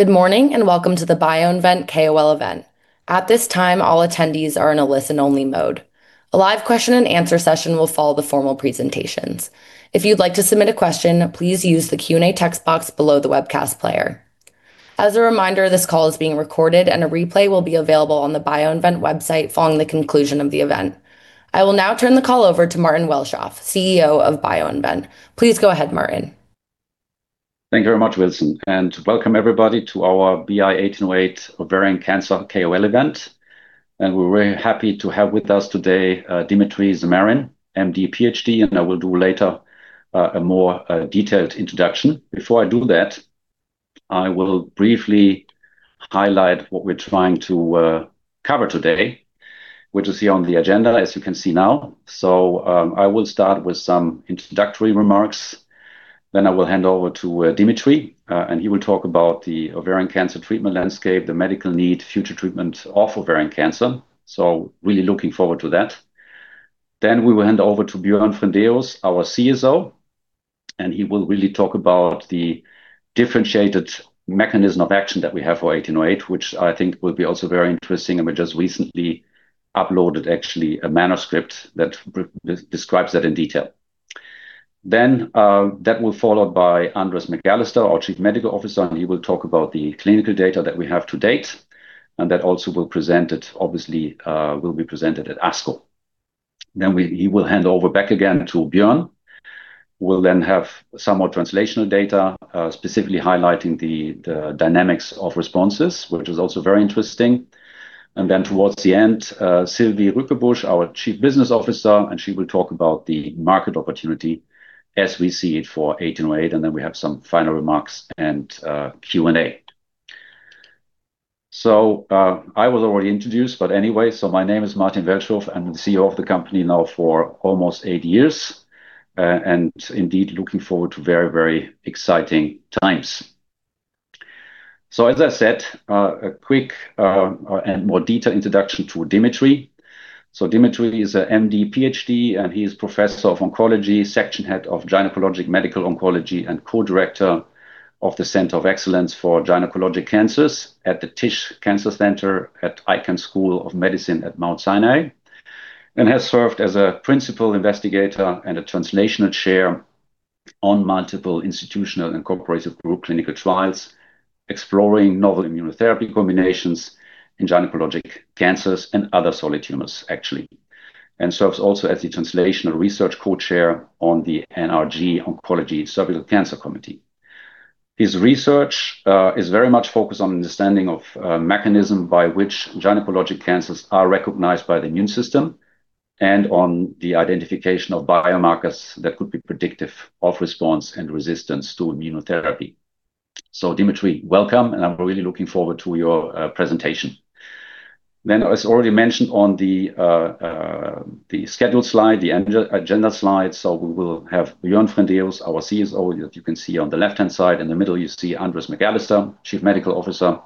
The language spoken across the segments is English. Good morning, welcome to the BioInvent KOL event. At this time, all attendees are in a listen-only mode. A live question and answer session will follow the formal presentations. If you'd like to submit a question, please use the Q&A text box below the webcast player. As a reminder, this call is being recorded, and a replay will be available on the BioInvent website following the conclusion of the event. I will now turn the call over to Martin Welschof, CEO of BioInvent. Please go ahead, Martin. Thank you very much, Wilson, welcome everybody to our BI-1808 Ovarian Cancer KOL event. We're very happy to have with us today Dmitriy Zamarin, MD, PhD, and I will do later a more detailed introduction. Before I do that, I will briefly highlight what we're trying to cover today, which is here on the agenda, as you can see now. I will start with some introductory remarks. I will hand over to Dmitriy, and he will talk about the ovarian cancer treatment landscape, the medical need, future treatment of ovarian cancer. Really looking forward to that. We will hand over to Björn Frendéus, our CSO, and he will really talk about the differentiated mechanism of action that we have for BI-1808, which I think will be also very interesting, and we just recently uploaded, actually, a manuscript that describes that in detail. That will follow by Andres McAllister, our Chief Medical Officer, and he will talk about the clinical data that we have to date, and that also will be presented at ASCO. He will hand over back again to Björn, who will then have some more translational data, specifically highlighting the dynamics of responses, which is also very interesting. Towards the end, Sylvie Ryckebusch, our Chief Business Officer, and she will talk about the market opportunity as we see it for 1808, and then we have some final remarks and Q&A. I was already introduced, but anyway, so my name is Martin Welschof. I'm the CEO of the company now for almost eight years, and indeed looking forward to very, very exciting times. As I said, a quick and more detailed introduction to Dmitriy. Dmitriy is an MD, PhD, and he is Professor of Oncology, Section Head of Gynecologic Medical Oncology, and Co-director of the Center of Excellence for Gynecologic Cancers at the Tisch Cancer Center at Icahn School of Medicine at Mount Sinai, and has served as a principal investigator and a translational chair on multiple institutional and cooperative group clinical trials, exploring novel immunotherapy combinations in gynecologic cancers and other solid tumors, actually. Serves also as the translational research co-chair on the NRG Oncology Cervical Cancer Committee. His research is very much focused on understanding of mechanism by which gynecologic cancers are recognized by the immune system and on the identification of biomarkers that could be predictive of response and resistance to immunotherapy. Dmitriy, welcome, and I'm really looking forward to your presentation. As already mentioned on the schedule slide, the agenda slide, we will have Björn Frendéus, our CSO, that you can see on the left-hand side. In the middle, you see Andres McAllister, Chief Medical Officer.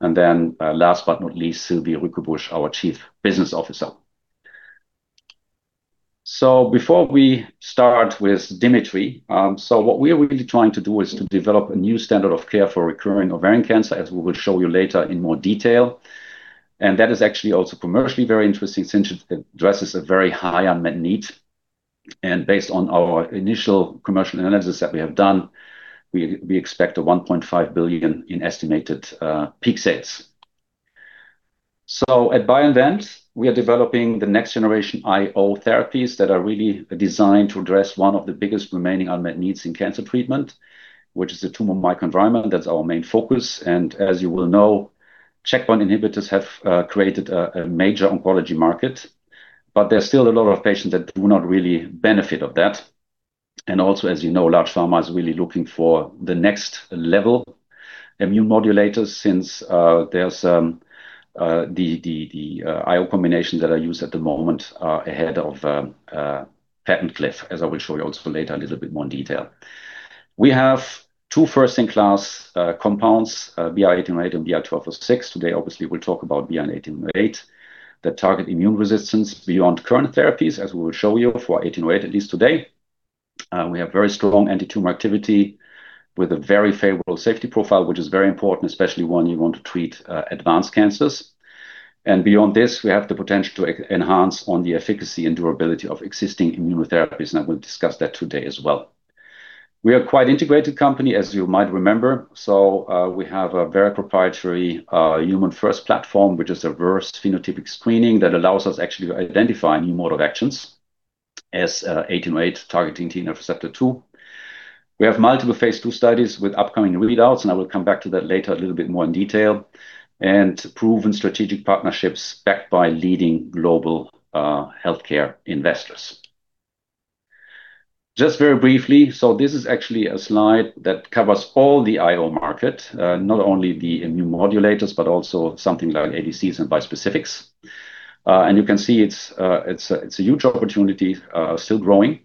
Last but not least, Sylvie Ryckebusch, our Chief Business Officer. Before we start with Dmitriy, what we are really trying to do is to develop a new standard of care for recurring ovarian cancer, as we will show you later in more detail. That is actually also commercially very interesting since it addresses a very high unmet need. Based on our initial commercial analysis that we have done, we expect a $1.5 billion in estimated peak sales. At BioInvent, we are developing the next-generation IO therapies that are really designed to address one of the biggest remaining unmet needs in cancer treatment, which is the tumor microenvironment. That's our main focus. As you will know, checkpoint inhibitors have created a major oncology market, but there's still a lot of patients that do not really benefit of that. Also, as you know, large pharma is really looking for the next-level immune modulators since the IO combinations that are used at the moment are ahead of patent cliff, as I will show you also later a little bit more in detail. We have two first-in-class compounds, BI-1808 and BI-1206. Today, obviously, we'll talk about BI-1808, that target immune resistance beyond current therapies, as we will show you for BI-1808, at least today. We have very strong anti-tumor activity with a very favorable safety profile, which is very important, especially when you want to treat advanced cancers. Beyond this, we have the potential to enhance on the efficacy and durability of existing immunotherapies, and I will discuss that today as well. We are quite integrated company, as you might remember. We have a very proprietary human-first platform, which is a reverse phenotypic screening that allows us actually to identify new mode of actions, as BI-1808 targeting TNFR2. We have multiple phase II studies with upcoming readouts, and I will come back to that later a little bit more in detail, and proven strategic partnerships backed by leading global healthcare investors. Just very briefly, this is actually a slide that covers all the IO market, not only the immune modulators, but also something like ADCs and bispecifics. You can see it's a huge opportunity, still growing.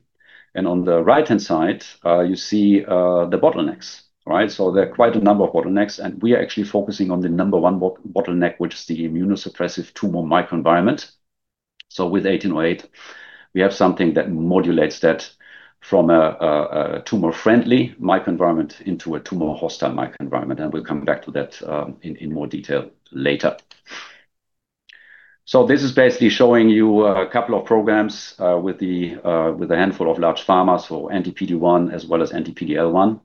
On the right-hand side, you see the bottlenecks, right? There are quite a number of bottlenecks, and we are actually focusing on the number one bottleneck, which is the immunosuppressive tumor microenvironment. So with 1808, we have something that modulates that from a tumor-friendly microenvironment into a tumor-hostile microenvironment, and we'll come back to that in more detail later. This is basically showing you a couple of programs with a handful of large pharmas for anti-PD-1 as well as anti-PD-L1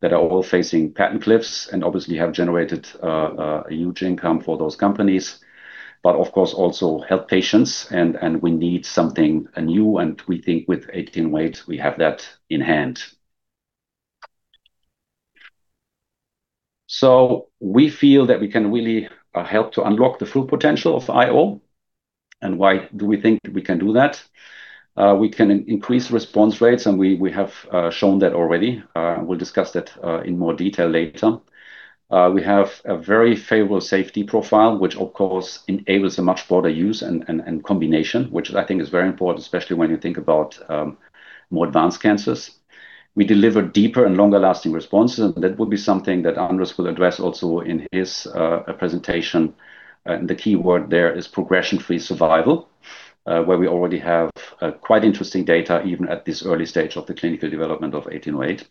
that are all facing patent cliffs and obviously have generated a huge income for those companies, but of course also help patients, and we need something new, and we think with 1808, we have that in hand. We feel that we can really help to unlock the full potential of IO. Why do we think we can do that? We can increase response rates, and we have shown that already. We'll discuss that in more detail later. We have a very favorable safety profile, which of course enables a much broader use and combination, which I think is very important, especially when you think about more advanced cancers. We deliver deeper and longer-lasting responses, and that would be something that Andres McAllister will address also in his presentation. The key word there is progression-free survival, where we already have quite interesting data, even at this early stage of the clinical development of 1808.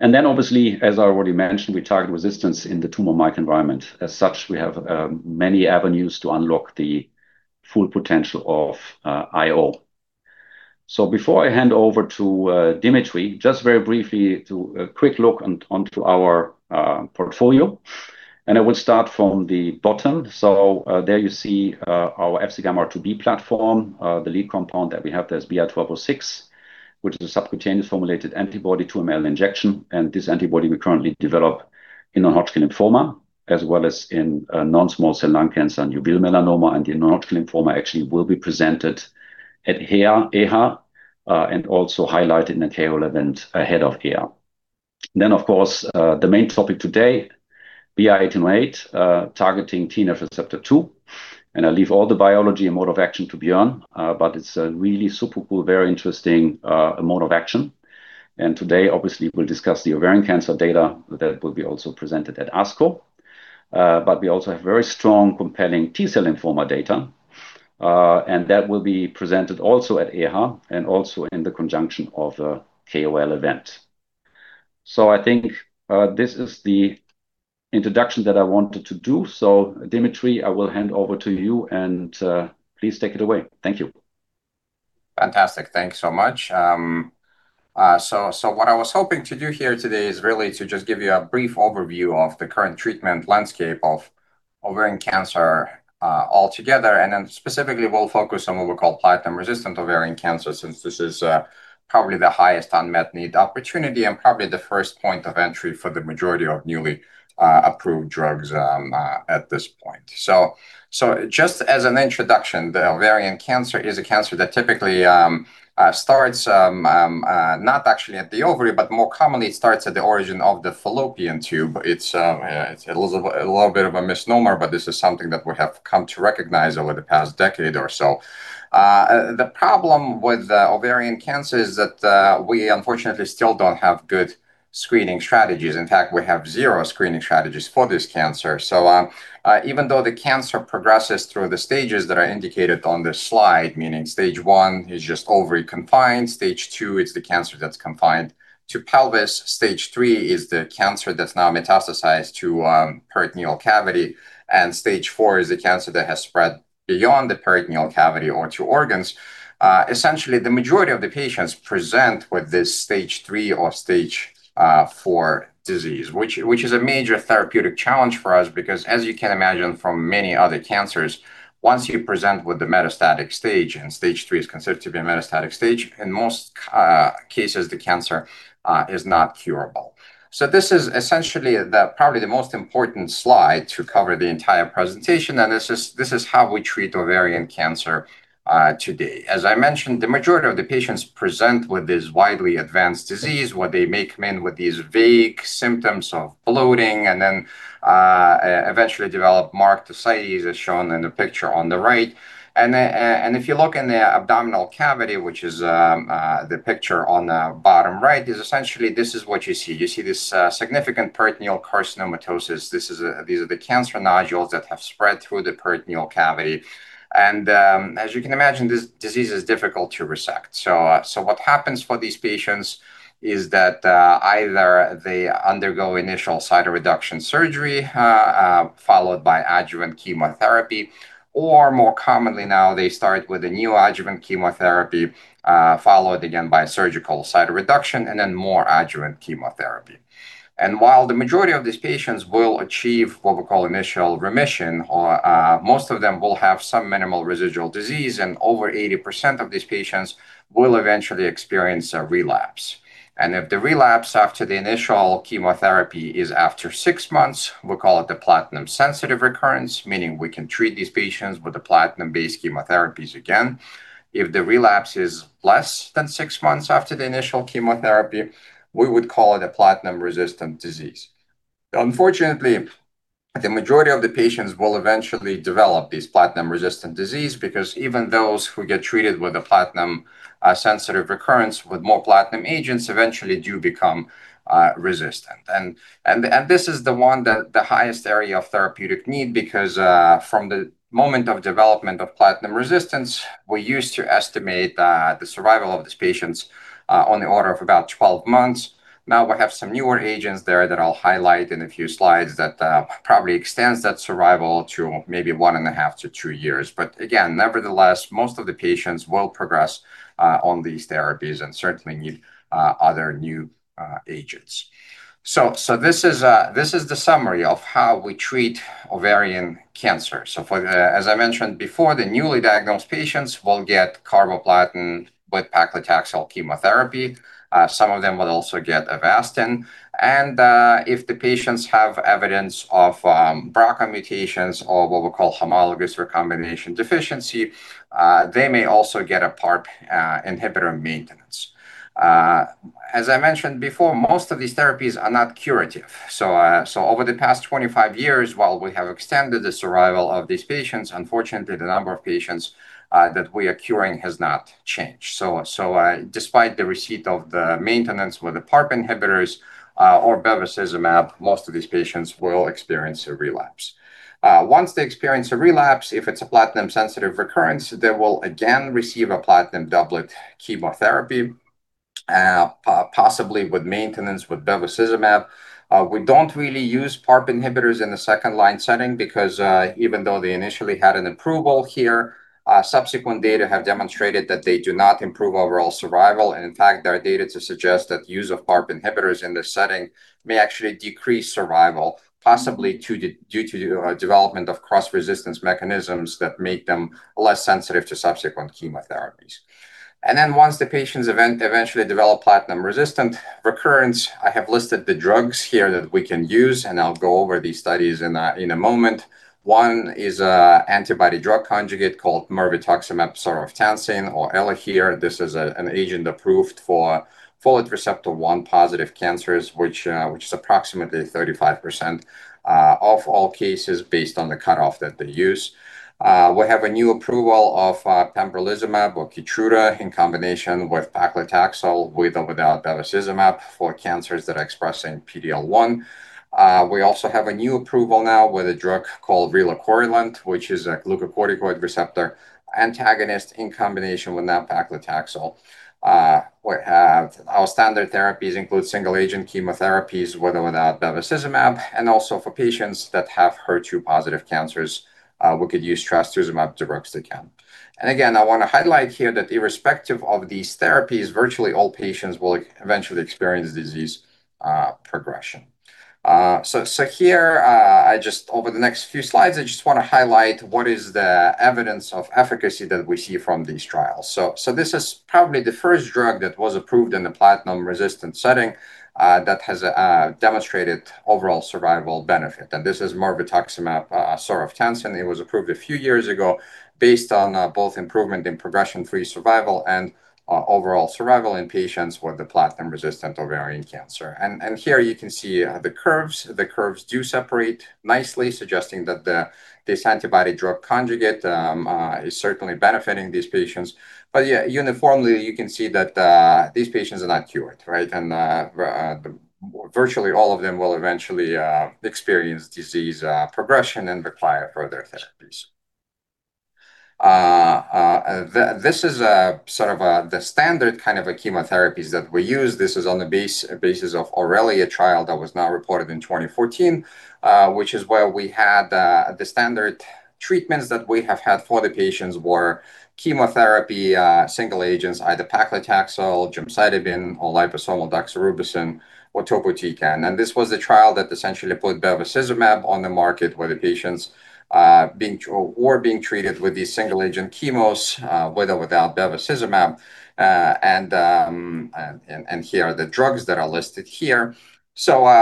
Obviously, as I already mentioned, we target resistance in the tumor microenvironment. As such, we have many avenues to unlock the full potential of IO. Before I hand over to Dmitriy, just very briefly, a quick look onto our portfolio, and I will start from the bottom. There you see our FcγRIIB platform. The lead compound that we have there is BI-1206, which is a subcutaneous formulated antibody to a 2mL injection. This antibody we currently develop in non-Hodgkin lymphoma, as well as in non-small cell lung cancer and uveal melanoma. The non-Hodgkin lymphoma actually will be presented at EHA and also highlighted in the KOL event ahead of EHA. Of course, the main topic today, BI-1808, targeting TNFR2, and I leave all the biology and mode of action to Björn, but it's a really super cool, very interesting mode of action. Today, obviously, we'll discuss the ovarian cancer data that will be also presented at ASCO, but we also have very strong, compelling T-cell lymphoma data, and that will be presented also at EHA and also in the conjunction of the KOL event. I think this is the introduction that I wanted to do. Dmitriy, I will hand over to you, and please take it away. Thank you. Fantastic. Thanks so much. What I was hoping to do here today is really to just give you a brief overview of the current treatment landscape of ovarian cancer altogether, and then specifically, we'll focus on what we call platinum-resistant ovarian cancer, since this is probably the highest unmet need opportunity and probably the first point of entry for the majority of newly approved drugs at this point. Just as an introduction, the ovarian cancer is a cancer that typically starts not actually at the ovary, but more commonly starts at the origin of the fallopian tube. It's a little bit of a misnomer, this is something that we have come to recognize over the past decade or so. The problem with ovarian cancer is that we unfortunately still don't have good screening strategies. In fact, we have zero screening strategies for this cancer. Even though the cancer progresses through the stages that are indicated on this slide, meaning stage 1 is just ovary confined, stage 2 is the cancer that's confined to pelvis, stage 3 is the cancer that's now metastasized to peritoneal cavity, and stage 4 is the cancer that has spread beyond the peritoneal cavity or to organs. Essentially, the majority of the patients present with this stage 3 or stage 4 disease, which is a major therapeutic challenge for us because as you can imagine from many other cancers, once you present with the metastatic stage, and stage 3 is considered to be a metastatic stage, in most cases, the cancer is not curable. This is essentially probably the most important slide to cover the entire presentation, and this is how we treat ovarian cancer today. As I mentioned, the majority of the patients present with this widely advanced disease, where they may come in with these vague symptoms of bloating and then eventually develop marked ascites as shown in the picture on the right. If you look in the abdominal cavity, which is the picture on the bottom right, is essentially this is what you see. You see this significant peritoneal carcinomatosis. These are the cancer nodules that have spread through the peritoneal cavity. As you can imagine, this disease is difficult to resect. What happens for these patients is that either they undergo initial cytoreduction surgery, followed by adjuvant chemotherapy, or more commonly now, they start with a neoadjuvant chemotherapy, followed again by surgical cytoreduction and then more adjuvant chemotherapy. While the majority of these patients will achieve what we call initial remission, most of them will have some minimal residual disease, and over 80% of these patients will eventually experience a relapse. If the relapse after the initial chemotherapy is after six months, we call it the platinum-sensitive recurrence, meaning we can treat these patients with the platinum-based chemotherapies again. If the relapse is less than six months after the initial chemotherapy, we would call it a platinum-resistant disease. Unfortunately, the majority of the patients will eventually develop this platinum-resistant disease because even those who get treated with a platinum-sensitive recurrence with more platinum agents eventually do become resistant. This is the one that the highest area of therapeutic need because from the moment of development of platinum resistance, we used to estimate the survival of these patients on the order of about 12 months. We have some newer agents there that I'll highlight in a few slides that probably extends that survival to maybe 1.5 to two years. Again, nevertheless, most of the patients will progress on these therapies and certainly need other new agents. This is the summary of how we treat ovarian cancer. As I mentioned before, the newly diagnosed patients will get carboplatin with paclitaxel chemotherapy. Some of them will also get Avastin. If the patients have evidence of BRCA mutations or what we call homologous recombination deficiency, they may also get a PARP inhibitor maintenance. As I mentioned before, most of these therapies are not curative. Over the past 25 years, while we have extended the survival of these patients, unfortunately, the number of patients that we are curing has not changed. Despite the receipt of the maintenance with the PARP inhibitors or bevacizumab, most of these patients will experience a relapse. Once they experience a relapse, if it's a platinum-sensitive recurrence, they will again receive a platinum doublet chemotherapy, possibly with maintenance with bevacizumab. We don't really use PARP inhibitors in the second-line setting because even though they initially had an approval here, subsequent data have demonstrated that they do not improve overall survival, and in fact, there are data to suggest that use of PARP inhibitors in this setting may actually decrease survival, possibly due to development of cross-resistance mechanisms that make them less sensitive to subsequent chemotherapies. Then once the patients eventually develop platinum-resistant recurrence, I have listed the drugs here that we can use, and I'll go over these studies in a moment. One is an antibody drug conjugate called mirvetuximab soravtansine or ELAHERE. This is an agent approved for folate receptor alpha positive cancers, which is approximately 35% of all cases based on the cutoff that they use. We have a new approval of pembrolizumab or KEYTRUDA in combination with paclitaxel, with or without bevacizumab for cancers that are expressing PD-L1. We also have a new approval now with a drug called relacorilant, which is a glucocorticoid receptor antagonist in combination with nab-paclitaxel. Our standard therapies include single-agent chemotherapies with or without bevacizumab, and also for patients that have HER2 positive cancers, we could use trastuzumab deruxtecan. Again, I want to highlight here that irrespective of these therapies, virtually all patients will eventually experience disease progression. Here, over the next few slides, I just want to highlight what is the evidence of efficacy that we see from these trials. This is probably the first drug that was approved in the platinum-resistant setting that has demonstrated overall survival benefit. This is mirvetuximab soravtansine. It was approved a few years ago based on both improvement in progression-free survival and overall survival in patients with the platinum-resistant ovarian cancer. Here you can see the curves. The curves do separate nicely, suggesting that this antibody drug conjugate is certainly benefiting these patients. Yeah, uniformly, you can see that these patients are not cured, right? Virtually all of them will eventually experience disease progression and require further therapies. This is the standard chemotherapies that we use. This is on the basis of AURELIA trial that was now reported in 2014, which is where we had the standard treatments that we have had for the patients were chemotherapy, single agents, either paclitaxel, gemcitabine or liposomal doxorubicin or topotecan. This was the trial that essentially put bevacizumab on the market where the patients were being treated with these single-agent chemos, with or without bevacizumab. Here are the drugs that are listed here. What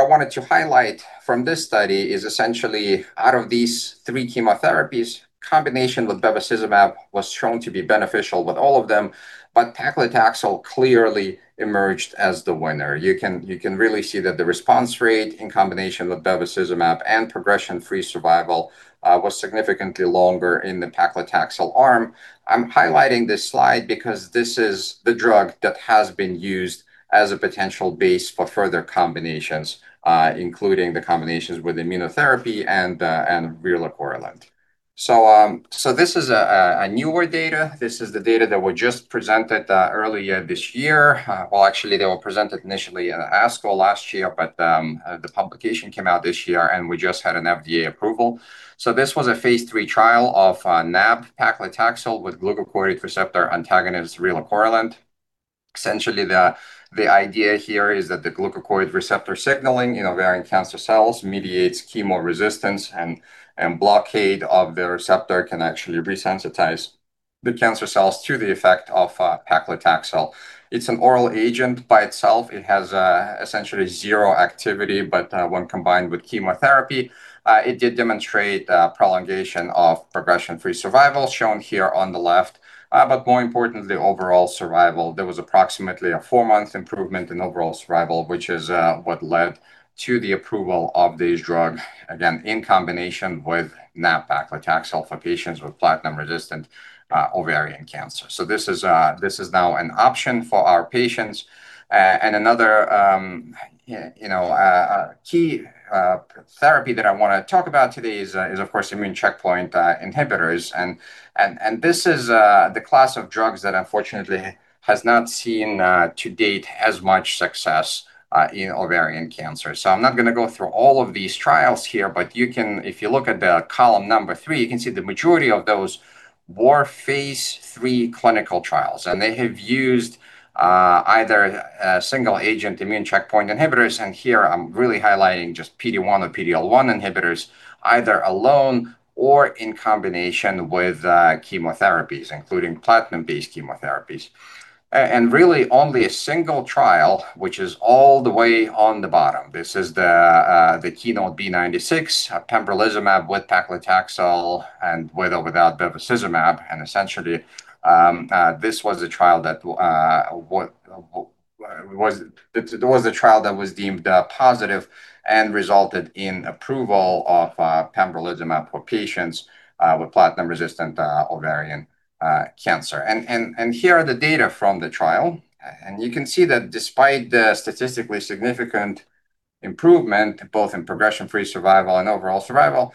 I wanted to highlight from this study is essentially out of these three chemotherapies, combination with bevacizumab was shown to be beneficial with all of them, but paclitaxel clearly emerged as the winner. You can really see that the response rate in combination with bevacizumab and progression-free survival was significantly longer in the paclitaxel arm. I'm highlighting this slide because this is the drug that has been used as a potential base for further combinations, including the combinations with immunotherapy and relacorilant. This is a newer data. This is the data that were just presented earlier this year. Well, actually, they were presented initially at ASCO last year, but the publication came out this year and we just had an FDA approval. This was a phase III trial of nab-paclitaxel with glucocorticoid receptor antagonist relacorilant. Essentially, the idea here is that the glucocorticoid receptor signaling in ovarian cancer cells mediates chemoresistance and blockade of the receptor can actually resensitize the cancer cells to the effect of paclitaxel. It's an oral agent by itself. It has essentially zero activity, but when combined with chemotherapy, it did demonstrate prolongation of progression-free survival, shown here on the left. More importantly, overall survival. There was approximately a four-month improvement in overall survival, which is what led to the approval of this drug, again, in combination with nab-paclitaxel for patients with platinum-resistant ovarian cancer. This is now an option for our patients. Another key therapy that I want to talk about today is, of course, immune checkpoint inhibitors. This is the class of drugs that unfortunately has not seen to date as much success in ovarian cancer. I'm not going to go through all of these trials here, but if you look at the column number three, you can see the majority of those were phase III clinical trials, and they have used either single-agent immune checkpoint inhibitors, and here I'm really highlighting just PD-1 or PD-L1 inhibitors, either alone or in combination with chemotherapies, including platinum-based chemotherapies. Really only a single trial, which is all the way on the bottom. This is the KEYNOTE-B96, pembrolizumab with paclitaxel and with or without bevacizumab. Essentially, this was a trial that was deemed positive and resulted in approval of pembrolizumab for patients with platinum-resistant ovarian cancer. Here are the data from the trial. You can see that despite the statistically significant improvement, both in progression-free survival and overall survival,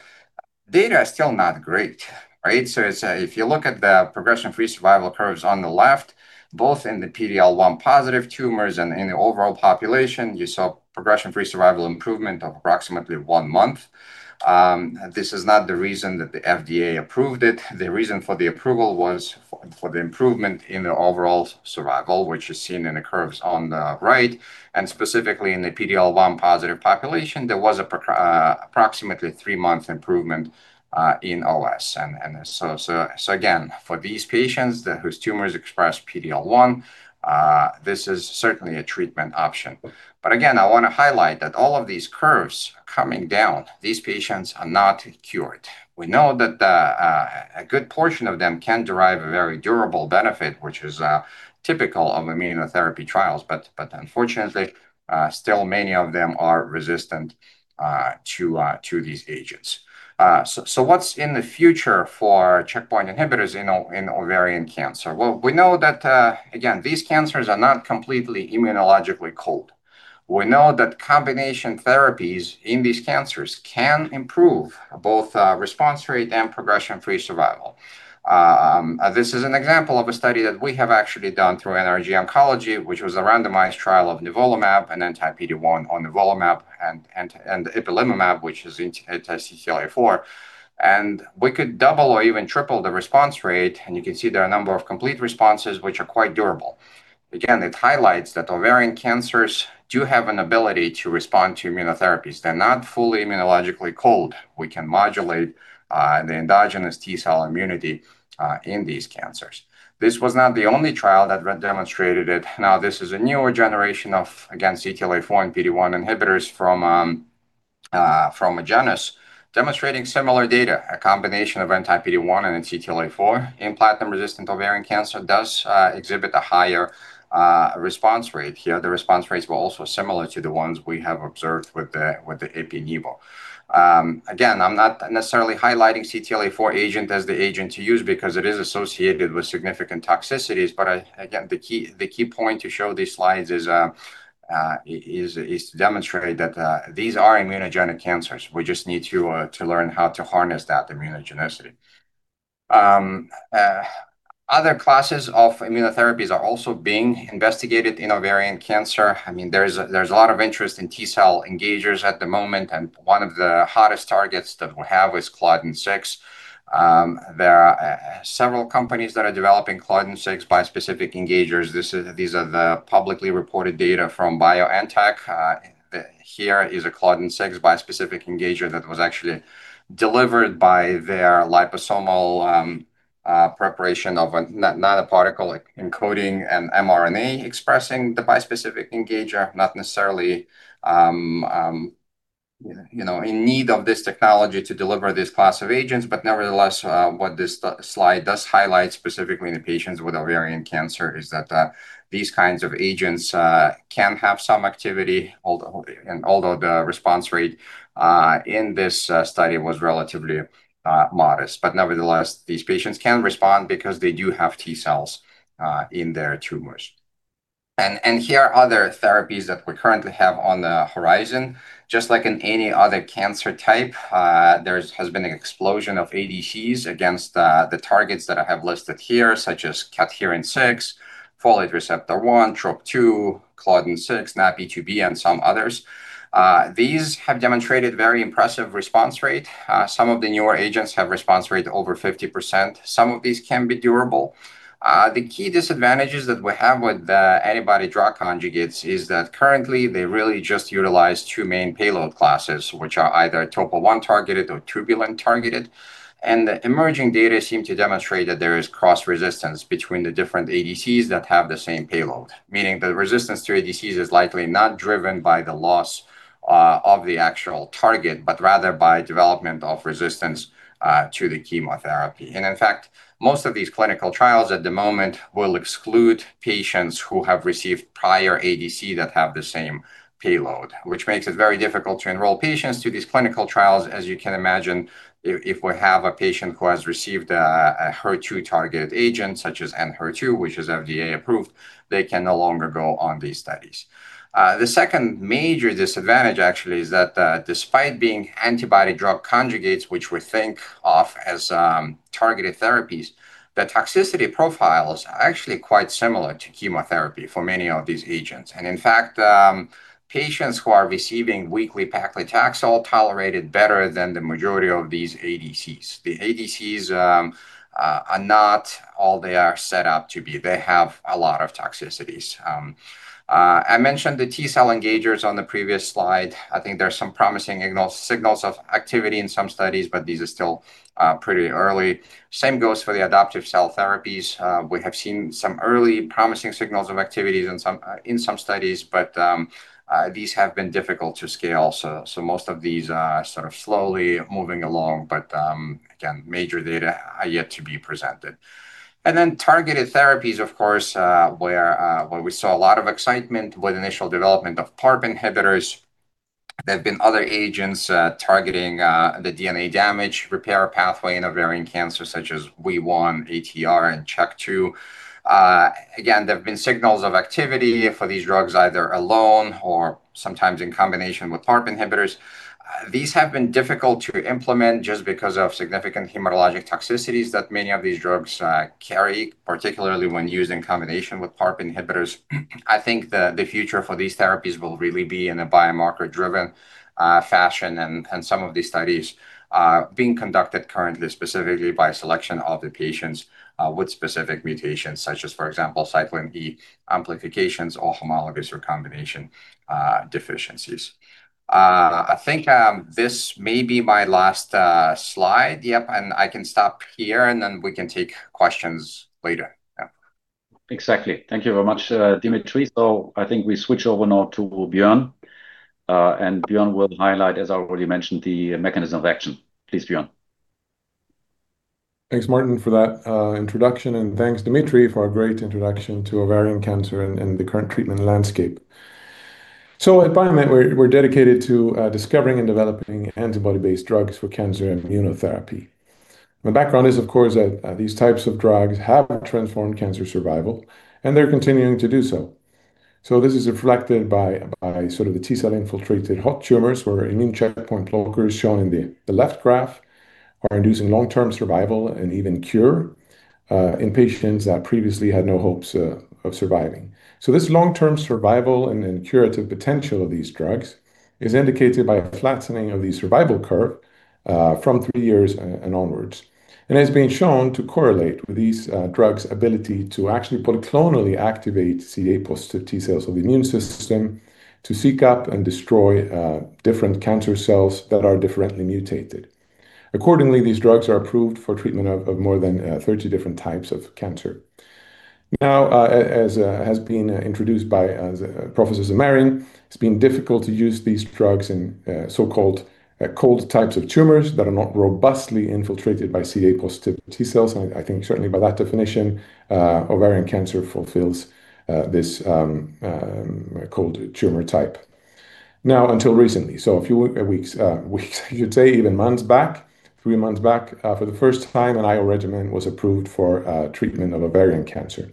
data is still not great. Right? If you look at the progression-free survival curves on the left, both in the PD-L1 positive tumors and in the overall population, you saw progression-free survival improvement of approximately one month. This is not the reason that the FDA approved it. The reason for the approval was for the improvement in the overall survival, which is seen in the curves on the right, and specifically in the PD-L1 positive population, there was approximately three-month improvement in OS. Again, for these patients whose tumors express PD-L1, this is certainly a treatment option. Again, I want to highlight that all of these curves coming down, these patients are not cured. We know that a good portion of them can derive a very durable benefit, which is typical of immunotherapy trials. Unfortunately, still many of them are resistant to these agents. What's in the future for checkpoint inhibitors in ovarian cancer? Well, we know that, again, these cancers are not completely immunologically cold. We know that combination therapies in these cancers can improve both response rate and progression-free survival. This is an example of a study that we have actually done through NRG Oncology, which was a randomized trial of nivolumab, an anti-PD-1, nivolumab, and ipilimumab, which is anti-CTLA4. We could double or even triple the response rate, and you can see there are a number of complete responses which are quite durable. Again, it highlights that ovarian cancers do have an ability to respond to immunotherapies. They're not fully immunologically cold. We can modulate the endogenous T cell immunity in these cancers. This was not the only trial that demonstrated it. Now, this is a newer generation of, again, CTLA-4 and PD-1 inhibitors from Agenus demonstrating similar data. A combination of anti-PD-1 and an CTLA-4 in platinum-resistant ovarian cancer does exhibit a higher response rate here. The response rates were also similar to the ones we have observed with the ipi and nivo. I'm not necessarily highlighting CTLA-4 agent as the agent to use because it is associated with significant toxicities. The key point to show these slides is to demonstrate that these are immunogenic cancers. We just need to learn how to harness that immunogenicity. Other classes of immunotherapies are also being investigated in ovarian cancer. There's a lot of interest in T cell engagers at the moment, and one of the hottest targets that we have is claudin-6. There are several companies that are developing claudin-6 bispecific engagers. These are the publicly reported data from BioNTech. Here is a claudin-6 bispecific engager that was actually delivered by their liposomal preparation of a nanoparticle encoding an mRNA expressing the bispecific engager. Not necessarily in need of this technology to deliver this class of agents. Nevertheless, what this slide does highlight specifically in the patients with ovarian cancer is that these kinds of agents can have some activity, although the response rate in this study was relatively modest. Nevertheless, these patients can respond because they do have T cells in their tumors. Here are other therapies that we currently have on the horizon. Just like in any other cancer type, there has been an explosion of ADCs against the targets that I have listed here, such as cadherin-6, folate receptor alpha, TROP2, claudin-6, NaPi2b, and some others. These have demonstrated very impressive response rate. Some of the newer agents have response rate over 50%. Some of these can be durable. The key disadvantages that we have with the antibody-drug conjugates is that currently they really just utilize two main payload classes, which are either Topo1 targeted or tubulin targeted. The emerging data seem to demonstrate that there is cross-resistance between the different ADCs that have the same payload, meaning the resistance to ADCs is likely not driven by the loss of the actual target, but rather by development of resistance to the chemotherapy. In fact, most of these clinical trials at the moment will exclude patients who have received prior ADC that have the same payload, which makes it very difficult to enroll patients to these clinical trials. As you can imagine, if we have a patient who has received a HER2-targeted agent such as ENHERTU, which is FDA-approved, they can no longer go on these studies. The second major disadvantage actually is that despite being antibody drug conjugates, which we think of as targeted therapies, the toxicity profiles are actually quite similar to chemotherapy for many of these agents. In fact, patients who are receiving weekly paclitaxel tolerated better than the majority of these ADCs. The ADCs are not all they are set up to be. They have a lot of toxicities. I mentioned the T-cell engagers on the previous slide. I think there are some promising signals of activity in some studies, but these are still pretty early. Same goes for the adoptive cell therapies. We have seen some early promising signals of activities in some studies, but these have been difficult to scale. Most of these are sort of slowly moving along. Again, major data are yet to be presented. Targeted therapies, of course, where we saw a lot of excitement with initial development of PARP inhibitors. There have been other agents targeting the DNA damage repair pathway in ovarian cancer, such as WEE1, ATR and CHK2. Again, there have been signals of activity for these drugs, either alone or sometimes in combination with PARP inhibitors. These have been difficult to implement just because of significant hematologic toxicities that many of these drugs carry, particularly when used in combination with PARP inhibitors. I think the future for these therapies will really be in a biomarker-driven fashion. Some of these studies are being conducted currently, specifically by selection of the patients with specific mutations such as, for example, cyclin E amplifications or homologous recombination deficiencies. I think this may be my last slide. Yep. I can stop here, and then we can take questions later. Yeah. Exactly. Thank you very much, Dmitriy. I think we switch over now to Björn, and Björn will highlight, as I already mentioned, the mechanism of action. Please, Björn. Thanks, Martin, for that introduction, and thanks Dmitriy for a great introduction to ovarian cancer and the current treatment landscape. At BioInvent, we're dedicated to discovering and developing antibody-based drugs for cancer immunotherapy. My background is, of course, that these types of drugs have transformed cancer survival, and they're continuing to do so. This is reflected by sort of the T-cell-infiltrated hot tumors where immune checkpoint blockers shown in the left graph are inducing long-term survival and even cure in patients that previously had no hopes of surviving. This long-term survival and curative potential of these drugs is indicated by a flattening of the survival curve from three years and onwards. Has been shown to correlate with these drugs' ability to actually clonally activate CD8+ T-cells of the immune system to seek out and destroy different cancer cells that are differently mutated. Accordingly, these drugs are approved for treatment of more than 30 different types of cancer. As has been introduced by Professor Zamarin, it has been difficult to use these drugs in so-called cold types of tumors that are not robustly infiltrated by CD8+ T-cells. I think certainly by that definition, ovarian cancer fulfills this cold tumor type. Until recently, so a few weeks, you would say even months back, three months back, for the first time, an IO regimen was approved for treatment of ovarian cancer.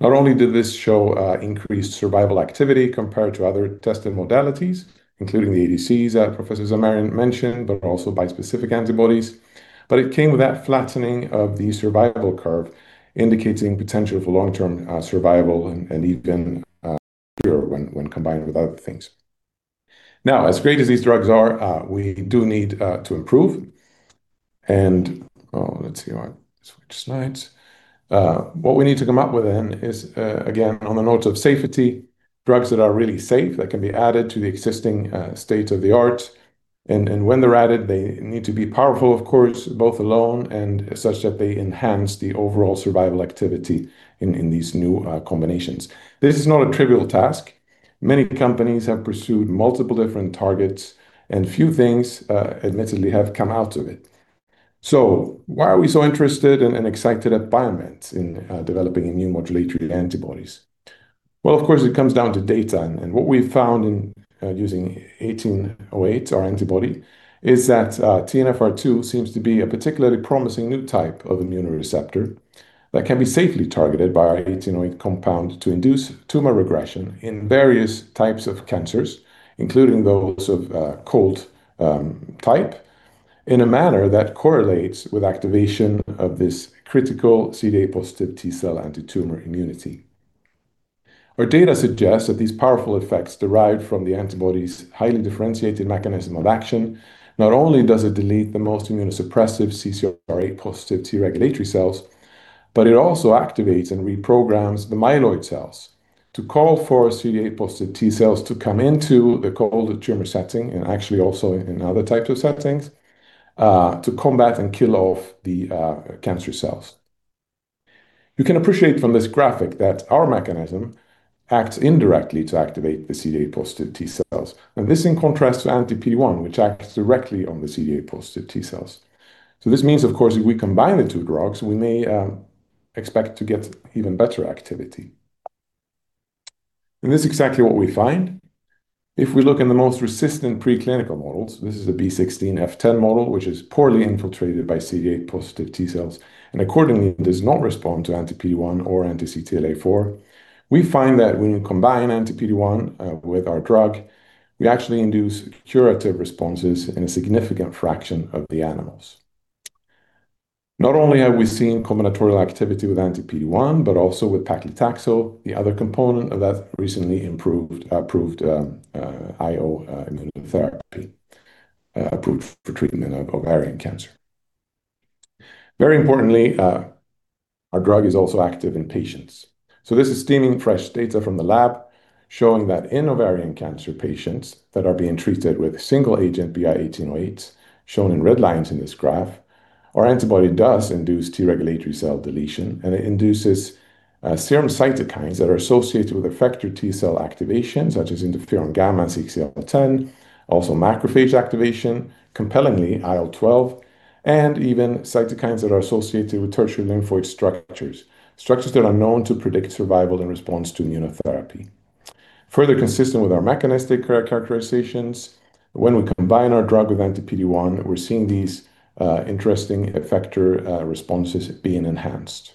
Not only did this show increased survival activity compared to other tested modalities, including the ADCs that Professor Zamarin mentioned, but also bispecific antibodies, but it came with that flattening of the survival curve, indicating potential for long-term survival and even cure when combined with other things. As great as these drugs are, we do need to improve. Let's see. What we need to come up with is, again, on the note of safety, drugs that are really safe that can be added to the existing state-of-the-art. When they're added, they need to be powerful, of course, both alone and such that they enhance the overall survival activity in these new combinations. This is not a trivial task. Many companies have pursued multiple different targets and few things, admittedly, have come out of it. Why are we so interested and excited at BioInvent in developing immune modulatory antibodies? Well, of course, it comes down to data. What we've found in using BI-1808, our antibody, is that TNFR2 seems to be a particularly promising new type of immunoreceptor that can be safely targeted by our BI-1808 compound to induce tumor regression in various types of cancers, including those of cold type, in a manner that correlates with activation of this critical CD8+ T-cell anti-tumor immunity. Our data suggests that these powerful effects derived from the antibody's highly differentiated mechanism of action. Not only does it delete the most immunosuppressive CCR8 positive T regulatory cells, but it also activates and reprograms the myeloid cells to call for CD8 positive T cells to come into the cold tumor setting, and actually also in other types of settings, to combat and kill off the cancer cells. You can appreciate from this graphic that our mechanism acts indirectly to activate the CD8 positive T cells, and this in contrast to anti-PD-1, which acts directly on the CD8 positive T cells. This means, of course, if we combine the two drugs, we may expect to get even better activity. This is exactly what we find. If we look in the most resistant preclinical models, this is a B16-F10 model, which is poorly infiltrated by CD8 positive T cells and accordingly does not respond to anti-PD-1 or anti-CTLA-4. We find that when you combine anti-PD-1 with our drug, we actually induce curative responses in a significant fraction of the animals. Not only have we seen combinatorial activity with anti-PD-1, but also with paclitaxel, the other component of that recently approved IO immunotherapy approved for treatment of ovarian cancer. Very importantly, our drug is also active in patients. This is steaming fresh data from the lab showing that in ovarian cancer patients that are being treated with single agent BI-1808, shown in red lines in this graph, our antibody does induce T regulatory cell deletion. It induces serum cytokines that are associated with effector T cell activation, such as interferon-gamma, CXCL10, also macrophage activation, compellingly IL-12, and even cytokines that are associated with tertiary lymphoid structures that are known to predict survival in response to immunotherapy. Further consistent with our mechanistic characterizations, when we combine our drug with anti-PD-1, we're seeing these interesting effector responses being enhanced.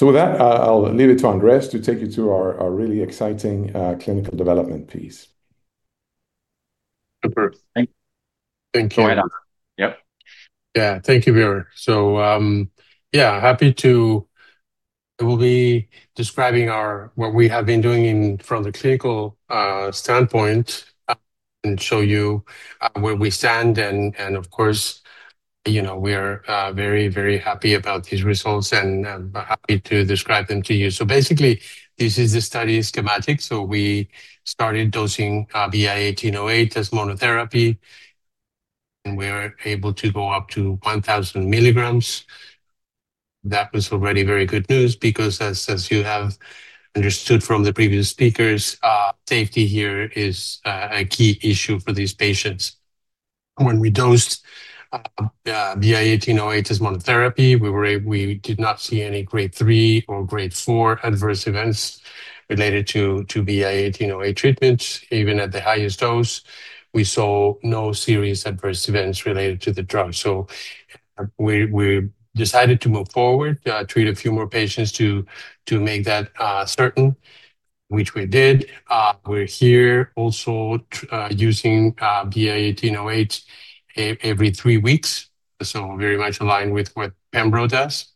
With that, I'll leave it to Andres to take you to our really exciting clinical development piece. Super. Thank you. Thank you. Right on. Yep. Thank you, Björn. We'll be describing what we have been doing from the clinical standpoint and show you where we stand. We are very happy about these results and happy to describe them to you. This is the study schematic. We started dosing BI-1808 as monotherapy, and we are able to go up to 1,000 milligrams. That was already very good news because, as you have understood from the previous speakers, safety here is a key issue for these patients. When we dosed BI-1808 as monotherapy, we did not see any grade 3 or grade 4 adverse events related to BI-1808 treatments. Even at the highest dose, we saw no serious adverse events related to the drug. We decided to move forward, treat a few more patients to make that certain, which we did. We're here also using BI-1808 every three weeks, so very much aligned with what pembrolizumab does.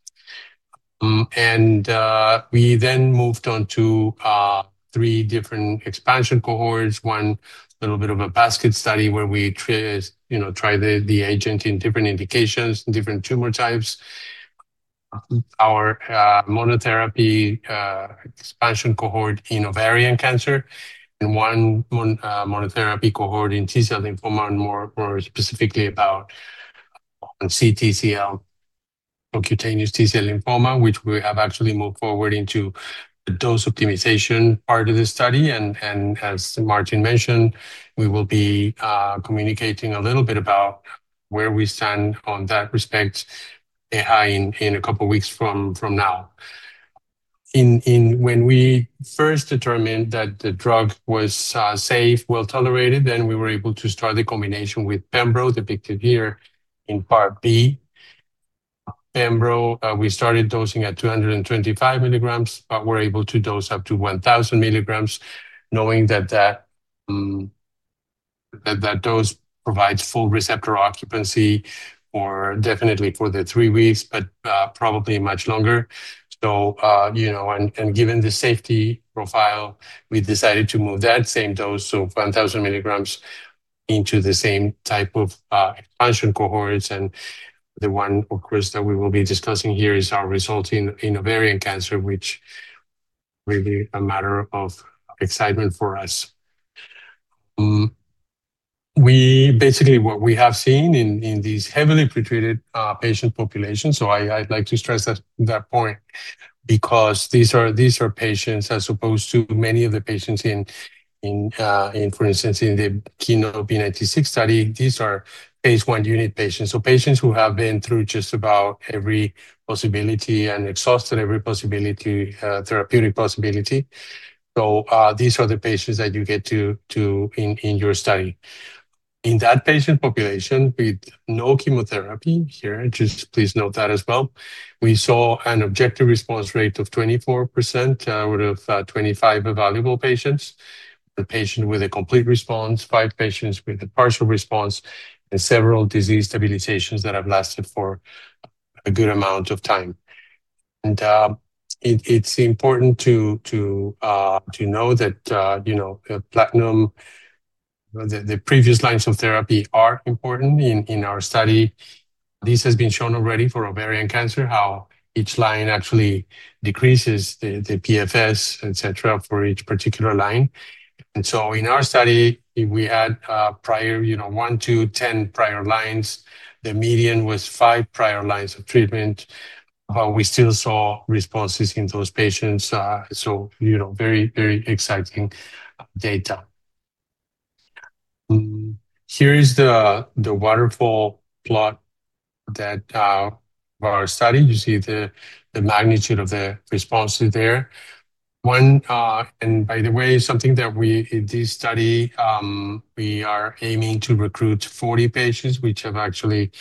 We then moved on to three different expansion cohorts. One little bit of a basket study where we try the agent in different indications and different tumor types. Our monotherapy expansion cohort in ovarian cancer and one monotherapy cohort in T-cell lymphoma, and more specifically about CTCL, cutaneous T-cell lymphoma, which we have actually moved forward into dose optimization part of the study. As Martin mentioned, we will be communicating a little bit about where we stand on that respect in a couple of weeks from now. When we first determined that the drug was safe, well-tolerated, then we were able to start the combination with pembrolizumab, depicted here in part B. Pembro, we started dosing at 225 milligrams, but we're able to dose up to 1,000 milligrams, knowing that dose provides full receptor occupancy for definitely for the three weeks, but probably much longer. Given the safety profile, we decided to move that same dose, so 1,000 milligrams, into the same type of expansion cohorts. The one, of course, that we will be discussing here is our results in ovarian cancer, which will be a matter of excitement for us. Basically, what we have seen in these heavily pretreated patient populations. I'd like to stress that point because these are patients, as opposed to many of the patients, for instance, in the KEYNOTE-B96 study, these are phase I patients, so patients who have been through just about every possibility and exhausted every therapeutic possibility. These are the patients that you get in your study. In that patient population with no chemotherapy here, just please note that as well, we saw an objective response rate of 24% out of 25 evaluable patients. The patient with a complete response, five patients with a partial response, and several disease stabilizations that have lasted for a good amount of time. It's important to know that platinum, the previous lines of therapy are important in our study. This has been shown already for ovarian cancer, how each line actually decreases the PFS, et cetera, for each particular line. In our study, we had one to 10 prior lines. The median was five prior lines of treatment, we still saw responses in those patients. Very, very exciting data. Here is the waterfall plot of our study. You see the magnitude of the responses there. By the way, something that we, in this study, we are aiming to recruit 40 patients, which have actually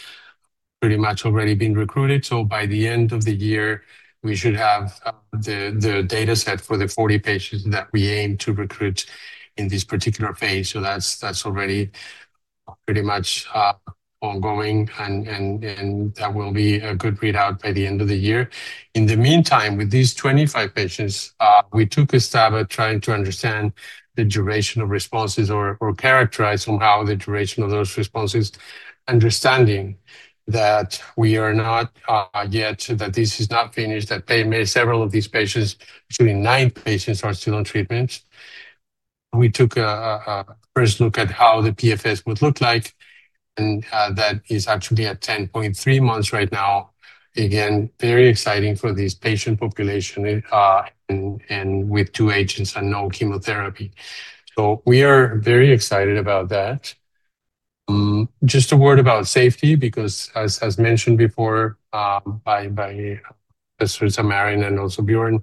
pretty much already been recruited. By the end of the year, we should have the dataset for the 40 patients that we aim to recruit in this particular phase. That's already pretty much ongoing, and that will be a good readout by the end of the year. In the meantime, with these 25 patients, we took a stab at trying to understand the duration of responses or characterize somehow the duration of those responses, understanding that we are not yet, that this is not finished, that several of these patients, actually nine patients, are still on treatment. We took a first look at how the PFS would look like, and that is actually at 10.3 months right now. Very exciting for this patient population and with two agents and no chemotherapy. We are very excited about that. Just a word about safety, because as mentioned before by Professor Zamarin and also Björn,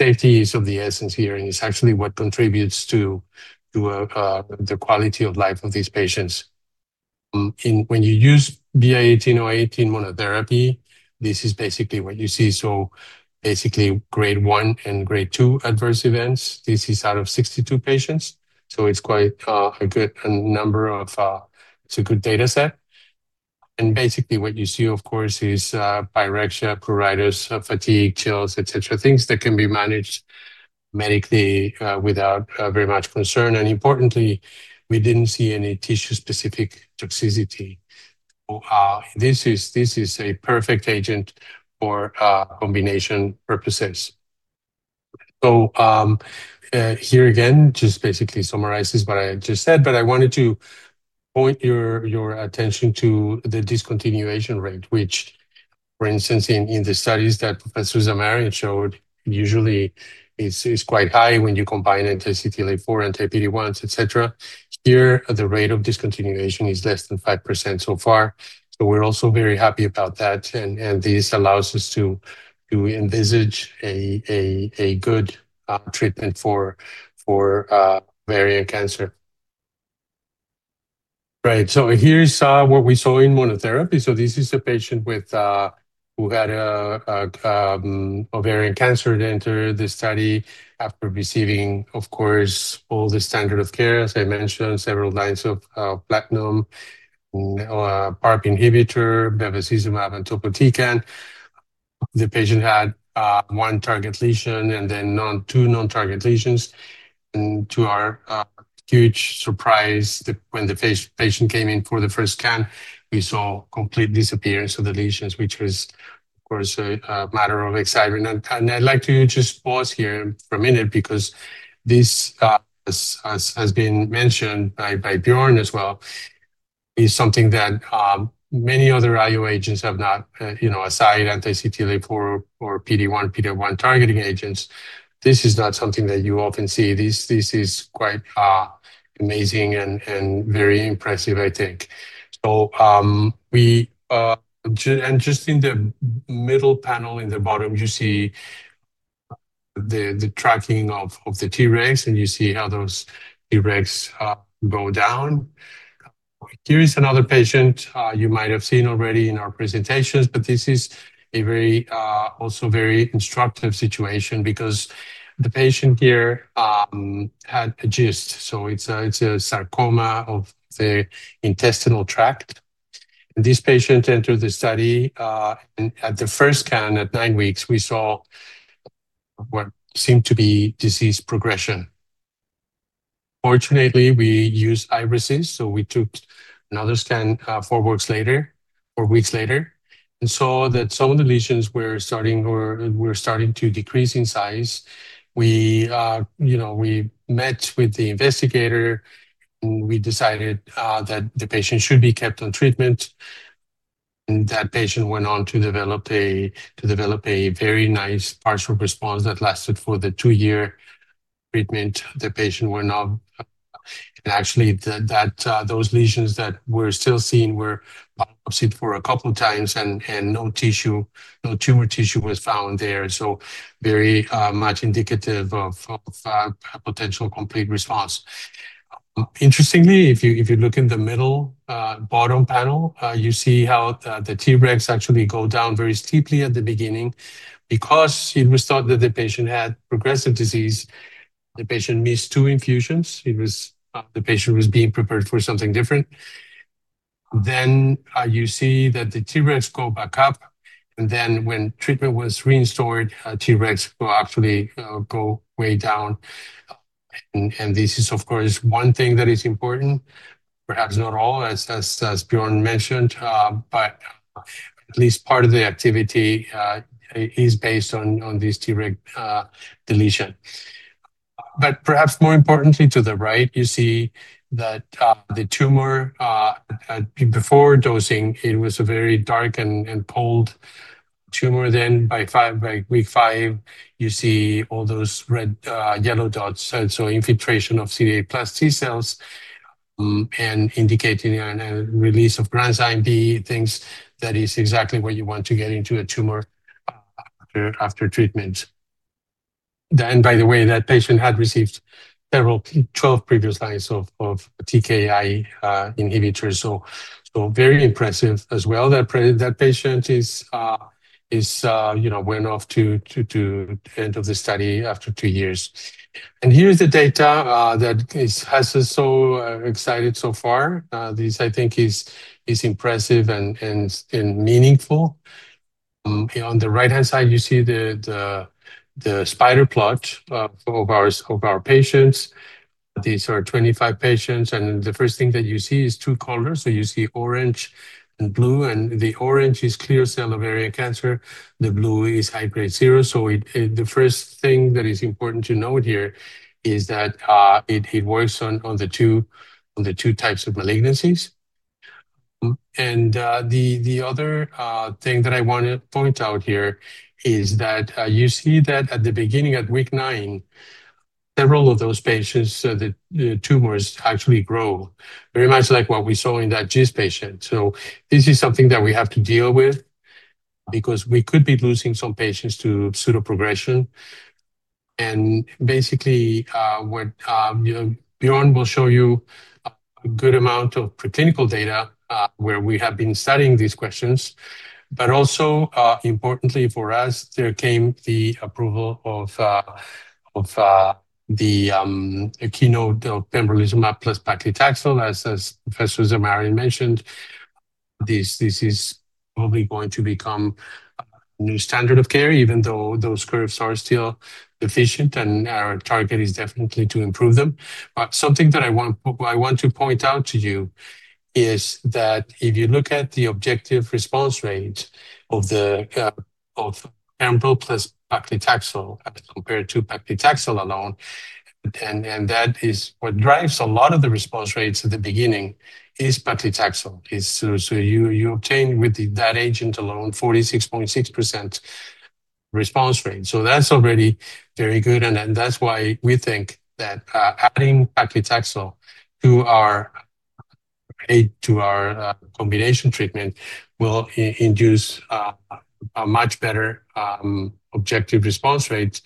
safety is of the essence here, and it's actually what contributes to the quality of life of these patients. When you use BI-1808 in monotherapy, this is basically what you see. Basically, grade 1 and grade 2 adverse events. This is out of 62 patients, it's quite a good dataset. Basically what you see, of course, is pyrexia, pruritus, fatigue, chills, et cetera. Things that can be managed medically without very much concern. Importantly, we didn't see any tissue-specific toxicity. This is a perfect agent for combination purposes. Here again, just basically summarizes what I just said, but I wanted to point your attention to the discontinuation rate, which, for instance, in the studies that Professor Zamarin showed, usually it's quite high when you combine anti-CTLA-4, anti-PD-1s, et cetera. Here, the rate of discontinuation is less than 5% so far. We're also very happy about that, and this allows us to envisage a good treatment for ovarian cancer. Right. Here's what we saw in monotherapy. This is a patient who had ovarian cancer. They entered the study after receiving, of course, all the standard of care, as I mentioned, several lines of platinum, PARP inhibitor, bevacizumab, and topotecan. The patient had one target lesion and then two non-target lesions. To our huge surprise, when the patient came in for the first scan, we saw complete disappearance of the lesions, which was, of course, a matter of excitement. I'd like to just pause here for one minute because this, as has been mentioned by Björn as well, is something that many other IO agents have not, aside anti-CTLA-4 or PD-1, PD-L1 targeting agents, this is not something that you often see. This is quite amazing and very impressive, I think. Just in the middle panel in the bottom, you see the tracking of the Tregs, and you see how those Tregs go down. Here is another patient you might have seen already in our presentations, but this is also a very instructive situation because the patient here had a GIST, so it's a sarcoma of the intestinal tract. This patient entered the study. At the first scan at nine weeks, we saw what seemed to be disease progression. Fortunately, we use iRECIST. We took another scan four weeks later and saw that some of the lesions were starting to decrease in size. We met with the investigator. We decided that the patient should be kept on treatment. That patient went on to develop a very nice partial response that lasted for the two-year treatment. The patient went on, and actually, those lesions that we're still seeing were biopsied for a couple of times, and no tumor tissue was found there. Very much indicative of a potential complete response. Interestingly, if you look in the middle bottom panel, you see how the Tregs actually go down very steeply at the beginning. It was thought that the patient had progressive disease. The patient missed two infusions. The patient was being prepared for something different. You see that the Tregs go back up, when treatment was restored, Tregs will actually go way down. This is, of course, one thing that is important, perhaps not all, as Björn mentioned, but at least part of the activity is based on this Treg deletion. Perhaps more importantly, to the right, you see that the tumor, before dosing, it was a very dark and pooled tumor. By week five, you see all those red, yellow dots. Infiltration of CD8+ T cells and indicating a release of granzyme B, things that is exactly what you want to get into a tumor after treatment. By the way, that patient had received several, 12 previous lines of TKI inhibitors. Very impressive as well that patient went off to the end of the study after two years. Here is the data that has us so excited so far. This, I think, is impressive and meaningful. On the right-hand side, you see the spider plot of our patients. These are 25 patients, and the first thing that you see is two colors. You see orange and blue, and the orange is clear cell ovarian cancer. The blue is high-grade serous. The first thing that is important to note here is that it works on the two types of malignancies. The other thing that I want to point out here is that you see that at the beginning, at week nine, several of those patients, the tumors actually grow very much like what we saw in that GIST patient. This is something that we have to deal with because we could be losing some patients to pseudoprogression. Basically, Björn Frendéus will show you a good amount of preclinical data, where we have been studying these questions. Also, importantly for us, there came the approval of the KEYNOTE, the pembrolizumab plus paclitaxel, as Professor Zamarin mentioned. This is probably going to become a new standard of care, even though those curves are still deficient and our target is definitely to improve them. Something that I want to point out to you is that if you look at the objective response rate of pembrolizumab plus paclitaxel compared to paclitaxel alone, and that is what drives a lot of the response rates at the beginning is paclitaxel. You obtain with that agent alone 46.6% response rate. That's already very good, and that's why we think that adding paclitaxel to our combination treatment will induce a much better objective response rate.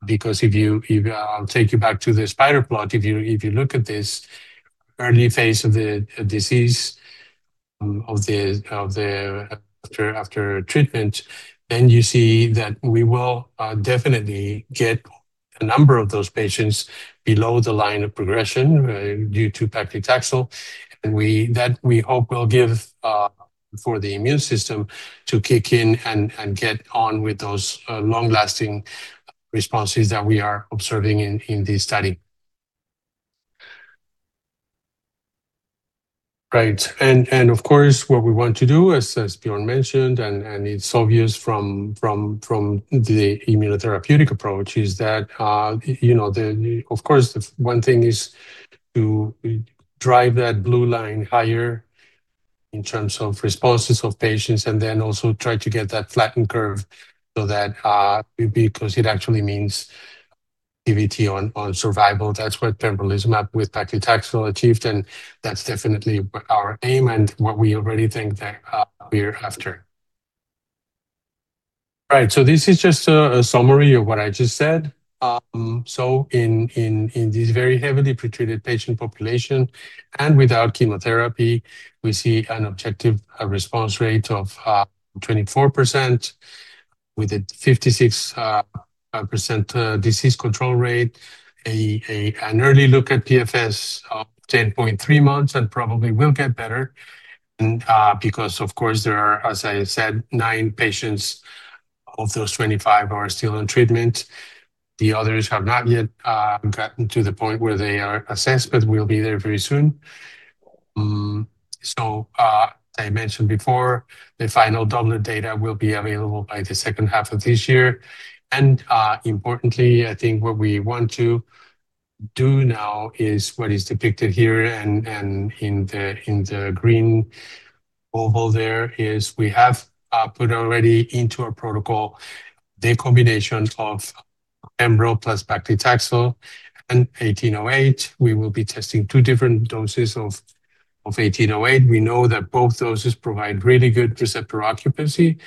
I'll take you back to the spider plot. If you look at this early phase of the disease after treatment, then you see that we will definitely get a number of those patients below the line of progression due to paclitaxel. That we hope will give for the immune system to kick in and get on with those long-lasting responses that we are observing in this study. Great. Of course, what we want to do, as Björn mentioned, and it's obvious from the immunotherapeutic approach, is that, of course, one thing is to drive that blue line higher in terms of responses of patients. Then also try to get that flattened curve because it actually means DVT on survival. That's what pembrolizumab with paclitaxel achieved, and that's definitely our aim and what we already think that we're after. Right. This is just a summary of what I just said. In this very heavily pretreated patient population, and without chemotherapy, we see an objective response rate of 24% with a 56% disease control rate, an early look at PFS of 10.3 months, and probably will get better. Because, of course, there are, as I said, nine patients of those 25 are still on treatment. The others have not yet gotten to the point where they are assessed, but we'll be there very soon. I mentioned before, the final doublet data will be available by the second half of this year. Importantly, I think what we want to do now is what is depicted here and in the green oval there is we have put already into our protocol the combination of pembrolizumab plus paclitaxel and 1808. We will be testing two different doses of 1808. We know that both doses provide really good receptor occupancy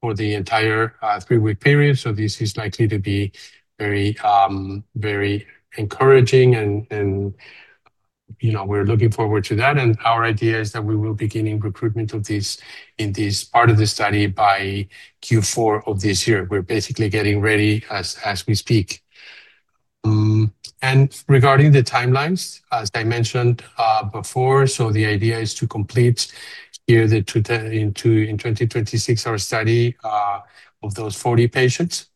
for the entire three-week period, so this is likely to be very encouraging. We're looking forward to that, and our idea is that we will beginning recruitment of this in this part of the study by Q4 of this year. We're basically getting ready as we speak. Regarding the timelines, as I mentioned before, the idea is to complete here in 2026 our study of those 40 patients.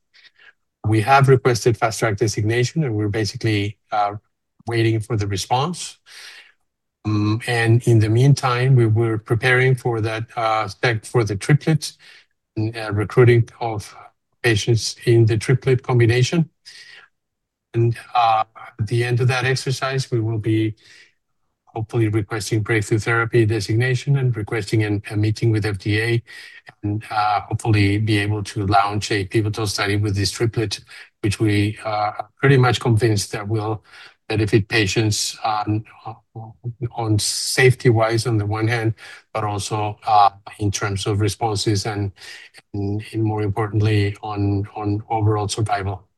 We have requested fast track designation, and we're basically waiting for the response. In the meantime, we were preparing for the triplets, recruiting of patients in the triplet combination. At the end of that exercise, we will be hopefully requesting breakthrough therapy designation and requesting a meeting with FDA and, hopefully, be able to launch a pivotal study with this triplet, which we are pretty much convinced that will benefit patients on safety-wise on the one hand, but also in terms of responses and more importantly, on overall survival.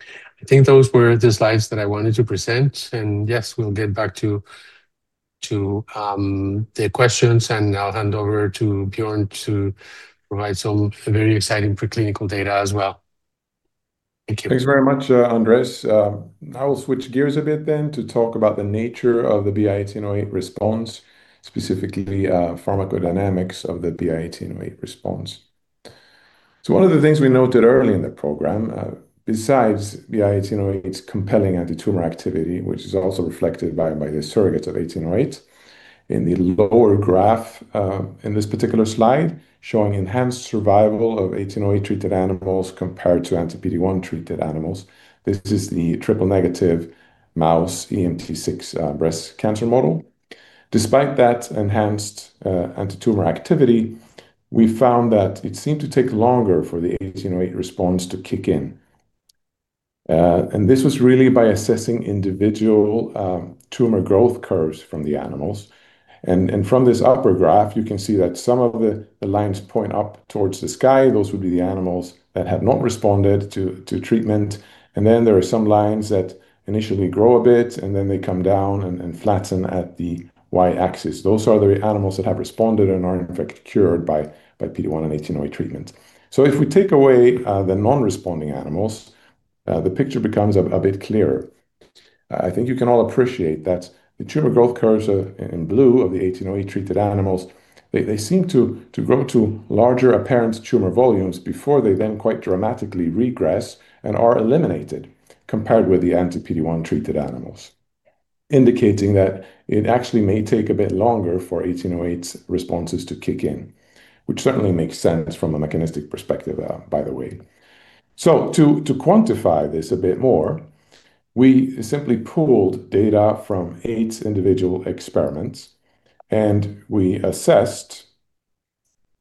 I think those were the slides that I wanted to present. Yes, we'll get back to the questions, and I'll hand over to Björn to provide some very exciting preclinical data as well. Thank you. Thanks very much, Andres. I will switch gears a bit then to talk about the nature of the BI-1808 response, specifically pharmacodynamics of the BI-1808 response. One of the things we noted early in the program, besides BI-1808's compelling antitumor activity, which is also reflected by the surrogate of 1808 in the lower graph in this particular slide, showing enhanced survival of 1808-treated animals compared to anti-PD-1-treated animals. This is the triple-negative mouse EMT6 breast cancer model. Despite that enhanced antitumor activity, we found that it seemed to take longer for the 1808 response to kick in. This was really by assessing individual tumor growth curves from the animals. From this upper graph, you can see that some of the lines point up towards the sky. Those would be the animals that have not responded to treatment. There are some lines that initially grow a bit, and then they come down and flatten at the Y-axis. Those are the animals that have responded and are in fact cured by PD-1 and 1808 treatment. If we take away the non-responding animals, the picture becomes a bit clearer. I think you can all appreciate that the tumor growth curves in blue of the 1808-treated animals, they seem to grow to larger apparent tumor volumes before they then quite dramatically regress and are eliminated compared with the anti-PD-1-treated animals, indicating that it actually may take a bit longer for 1808's responses to kick in, which certainly makes sense from a mechanistic perspective, by the way. To quantify this a bit more, we simply pooled data from eight individual experiments, we assessed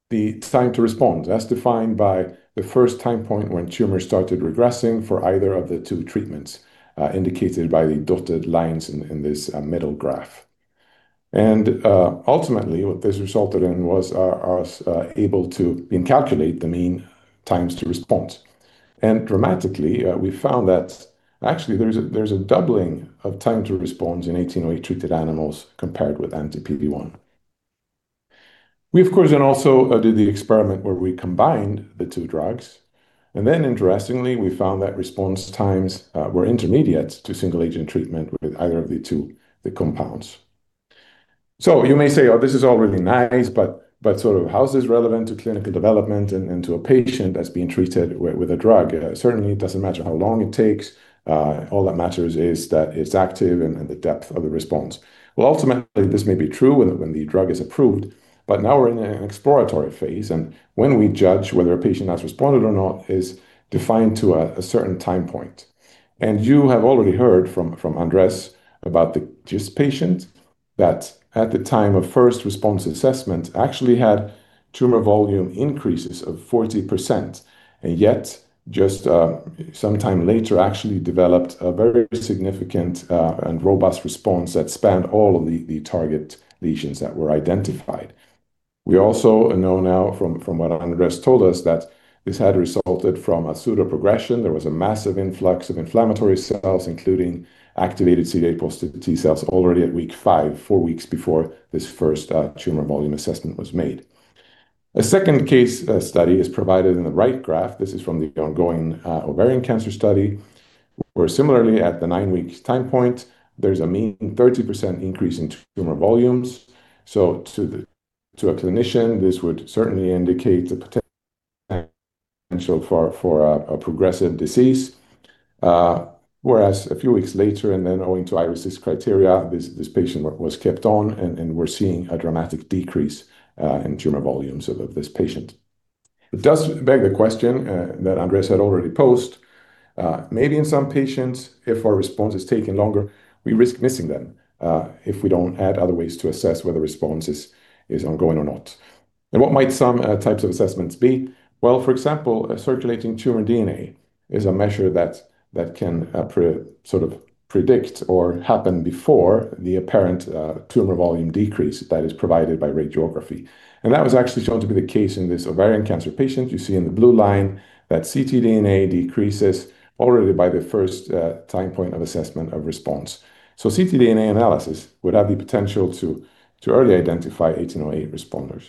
the time to respond, as defined by the first time point when tumors started regressing for either of the two treatments, indicated by the dotted lines in this middle graph. Ultimately, what this resulted in was us able to then calculate the mean times to response. Dramatically, we found that actually there is a doubling of time to response in BI-1808-treated animals compared with anti-PD-1. We, of course, then also did the experiment where we combined the two drugs. Interestingly, we found that response times were intermediate to single-agent treatment with either of the two compounds. You may say, "Oh, this is all really nice, but how is this relevant to clinical development and to a patient that is being treated with a drug? Certainly, it doesn't matter how long it takes. All that matters is that it's active and the depth of the response." Well, ultimately, this may be true when the drug is approved, but now we're in an exploratory phase, and when we judge whether a patient has responded or not is defined to a certain time point. You have already heard from Andres about the GIST patient that at the time of first response assessment actually had tumor volume increases of 40%, and yet just some time later, actually developed a very significant and robust response that spanned all of the target lesions that were identified. We also know now from what Andres told us that this had resulted from a pseudoprogression. There was a massive influx of inflammatory cells, including activated CD8 positive T cells already at week five, four weeks before this first tumor volume assessment was made. A second case study is provided in the right graph. This is from the ongoing ovarian cancer study, where similarly, at the nine-week time point, there's a mean 30% increase in tumor volumes. To a clinician, this would certainly indicate the potential for a progressive disease. Whereas a few weeks later, and then owing to RECIST criteria, this patient was kept on, and we're seeing a dramatic decrease in tumor volumes of this patient. It does beg the question that Andres had already posed. Maybe in some patients, if our response is taking longer, we risk missing them if we don't add other ways to assess whether response is ongoing or not. What might some types of assessments be? Well, for example, circulating tumor DNA is a measure that can predict or happen before the apparent tumor volume decrease that is provided by radiography. That was actually shown to be the case in this ovarian cancer patient. You see in the blue line that ctDNA decreases already by the first time point of assessment of response. ctDNA analysis would have the potential to early identify 1808 responders.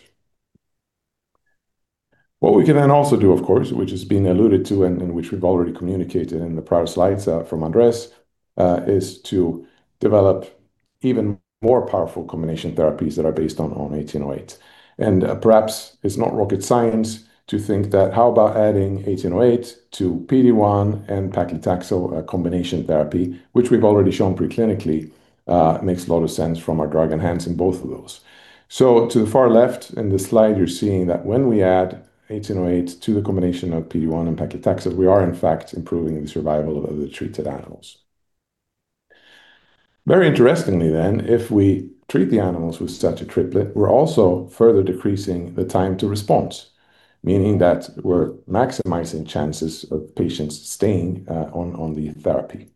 What we can then also do, of course, which has been alluded to and which we've already communicated in the prior slides from Andres, is to develop even more powerful combination therapies that are based on BI-1808. Perhaps it's not rocket science to think that how about adding 1808 to PD-1 and paclitaxel combination therapy, which we've already shown preclinically makes a lot of sense from our drug enhancing both of those. To the far left in this slide, you're seeing that when we add 1808 to the combination of PD-1 and paclitaxel, we are in fact improving the survival of the treated animals. Very interestingly, if we treat the animals with such a triplet, we're also further decreasing the time to response, meaning that we're maximizing chances of patients staying on the therapy.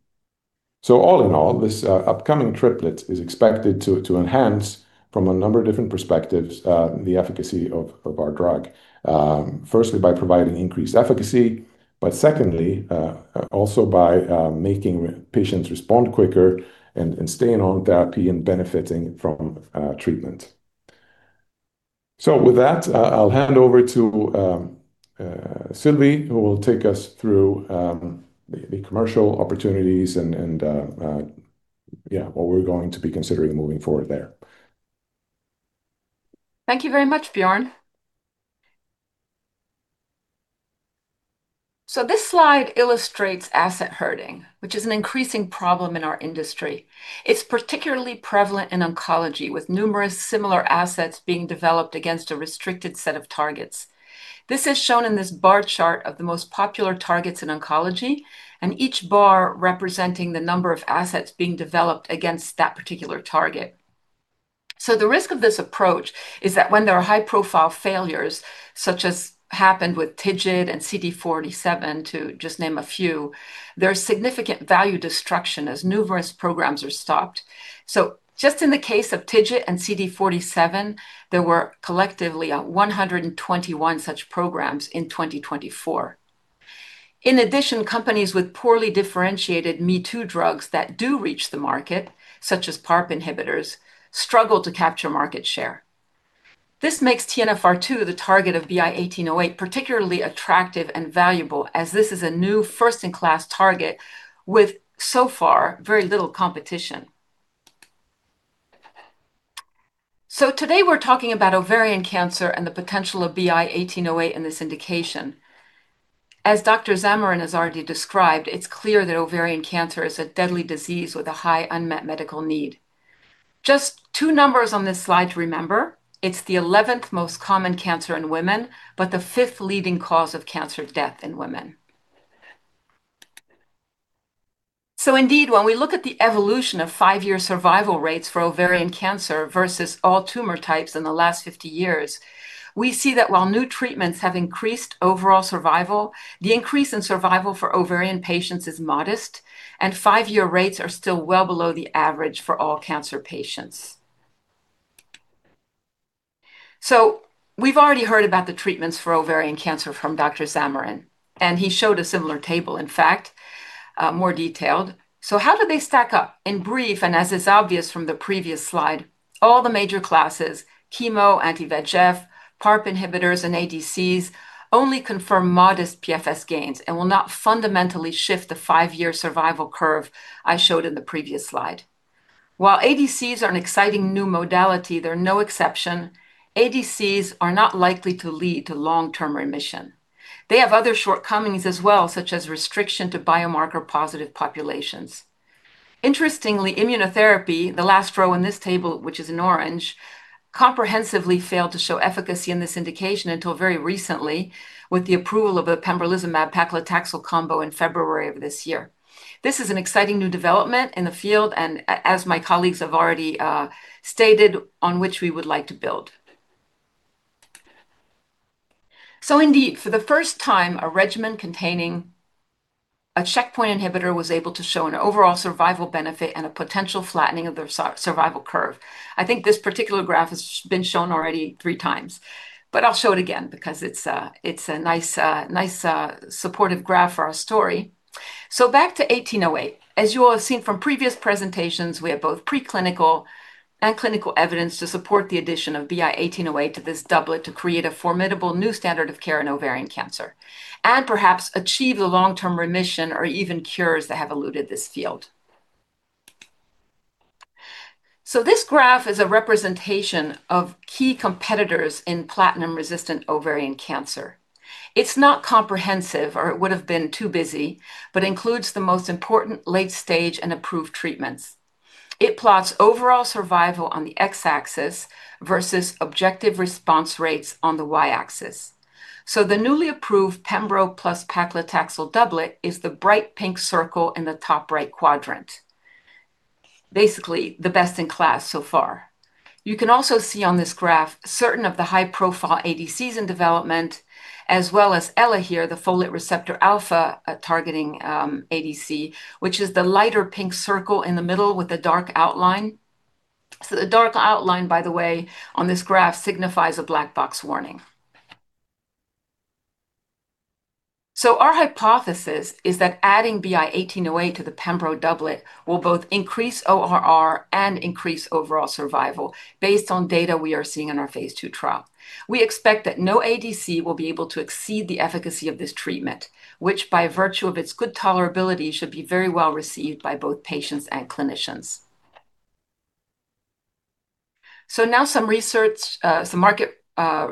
All in all, this upcoming triplet is expected to enhance from a number of different perspectives, the efficacy of our drug. Firstly, by providing increased efficacy, secondly, also by making patients respond quicker and staying on therapy and benefiting from treatment. With that, I'll hand over to Sylvie, who will take us through the commercial opportunities and what we're going to be considering moving forward there. Thank you very much, Björn. This slide illustrates asset herding, which is an increasing problem in our industry. It's particularly prevalent in oncology, with numerous similar assets being developed against a restricted set of targets. This is shown in this bar chart of the most popular targets in oncology, and each bar representing the number of assets being developed against that particular target. The risk of this approach is that when there are high-profile failures, such as happened with TIGIT and CD47, to just name a few, there are significant value destruction as numerous programs are stopped. Just in the case of TIGIT and CD47, there were collectively 121 such programs in 2024. In addition, companies with poorly differentiated me-too drugs that do reach the market, such as PARP inhibitors, struggle to capture market share. This makes TNFR2, the target of BI-1808, particularly attractive and valuable, as this is a new first-in-class target with so far very little competition. Today we're talking about ovarian cancer and the potential of BI-1808 in this indication. As Dr. Zamarin has already described, it's clear that ovarian cancer is a deadly disease with a high unmet medical need. Just two numbers on this slide to remember. It's the 11th most common cancer in women, but the fifth leading cause of cancer death in women. Indeed, when we look at the evolution of five-year survival rates for ovarian cancer versus all tumor types in the last 50 years, we see that while new treatments have increased overall survival, the increase in survival for ovarian patients is modest, and five-year rates are still well below the average for all cancer patients. We've already heard about the treatments for ovarian cancer from Dr. Zamarin, and he showed a similar table, in fact, more detailed. How do they stack up? In brief, and as is obvious from the previous slide, all the major classes, chemo, anti-VEGF, PARP inhibitors, and ADCs only confirm modest PFS gains and will not fundamentally shift the five-year survival curve I showed in the previous slide. While ADCs are an exciting new modality, they're no exception. ADCs are not likely to lead to long-term remission. They have other shortcomings as well, such as restriction to biomarker-positive populations. Interestingly, immunotherapy, the last row in this table, which is in orange, comprehensively failed to show efficacy in this indication until very recently with the approval of a pembrolizumab-paclitaxel combo in February of this year. This is an exciting new development in the field. As my colleagues have already stated, on which we would like to build. Indeed, for the first time, a regimen containing a checkpoint inhibitor was able to show an overall survival benefit and a potential flattening of their survival curve. I think this particular graph has been shown already three times, I'll show it again because it's a nice supportive graph for our story. Back to BI-1808. As you all have seen from previous presentations, we have both preclinical and clinical evidence to support the addition of BI-1808 to this doublet to create a formidable new standard of care in ovarian cancer and perhaps achieve the long-term remission or even cures that have eluded this field. This graph is a representation of key competitors in platinum-resistant ovarian cancer. It's not comprehensive, or it would have been too busy, but includes the most important late-stage and approved treatments. It plots overall survival on the x-axis versus objective response rates on the y-axis. The newly approved pembrolizumab plus paclitaxel doublet is the bright pink circle in the top right quadrant. Basically, the best in class so far. You can also see on this graph certain of the high-profile ADCs in development, as well as ELAHERE, the folate receptor alpha targeting ADC, which is the lighter pink circle in the middle with the dark outline. The dark outline, by the way, on this graph signifies a black box warning. Our hypothesis is that adding BI-1808 to the pembrolizumab doublet will both increase ORR and increase overall survival based on data we are seeing in our phase II trial. We expect that no ADC will be able to exceed the efficacy of this treatment, which by virtue of its good tolerability, should be very well received by both patients and clinicians. Now some market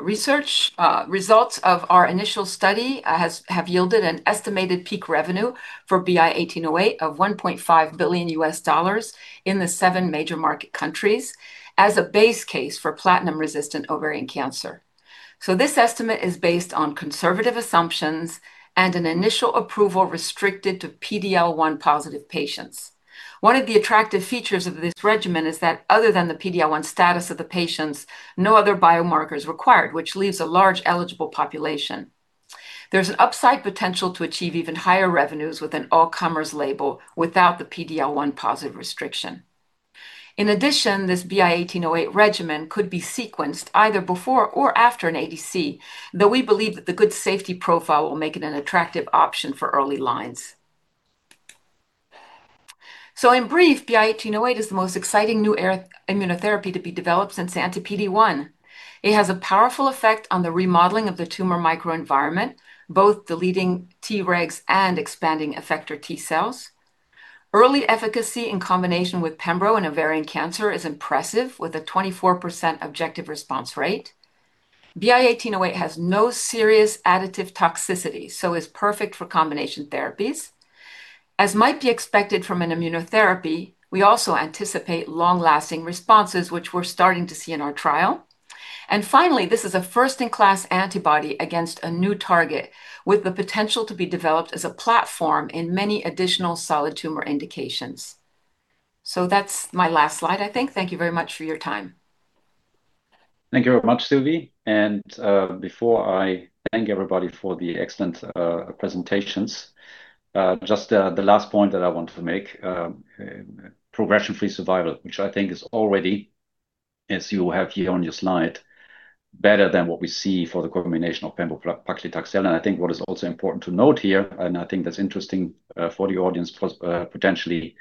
research results of our initial study have yielded an estimated peak revenue for BI-1808 of $1.5 billion in the seven major market countries as a base case for platinum-resistant ovarian cancer. This estimate is based on conservative assumptions and an initial approval restricted to PD-L1 positive patients. One of the attractive features of this regimen is that other than the PD-L1 status of the patients, no other biomarker is required, which leaves a large eligible population. There's an upside potential to achieve even higher revenues with an all-comers label without the PD-L1 positive restriction. In addition, this BI-1808 regimen could be sequenced either before or after an ADC, though we believe that the good safety profile will make it an attractive option for early lines. In brief, BI-1808 is the most exciting new immunotherapy to be developed since anti-PD-1. It has a powerful effect on the remodeling of the tumor microenvironment, both deleting Tregs and expanding effector T cells. Early efficacy in combination with pembrolizumab in ovarian cancer is impressive, with a 24% objective response rate. BI-1808 has no serious additive toxicity, so is perfect for combination therapies. As might be expected from an immunotherapy, we also anticipate long-lasting responses, which we're starting to see in our trial. Finally, this is a first-in-class antibody against a new target with the potential to be developed as a platform in many additional solid tumor indications. That's my last slide, I think. Thank you very much for your time. Thank you very much, Sylvie. Before I thank everybody for the excellent presentations, just the last point that I wanted to make, progression-free survival, which I think is already, as you have here on your slide, better than what we see for the combination of pembrolizumab paclitaxel. I think what is also important to note here, and I think that's interesting for the audience potentially,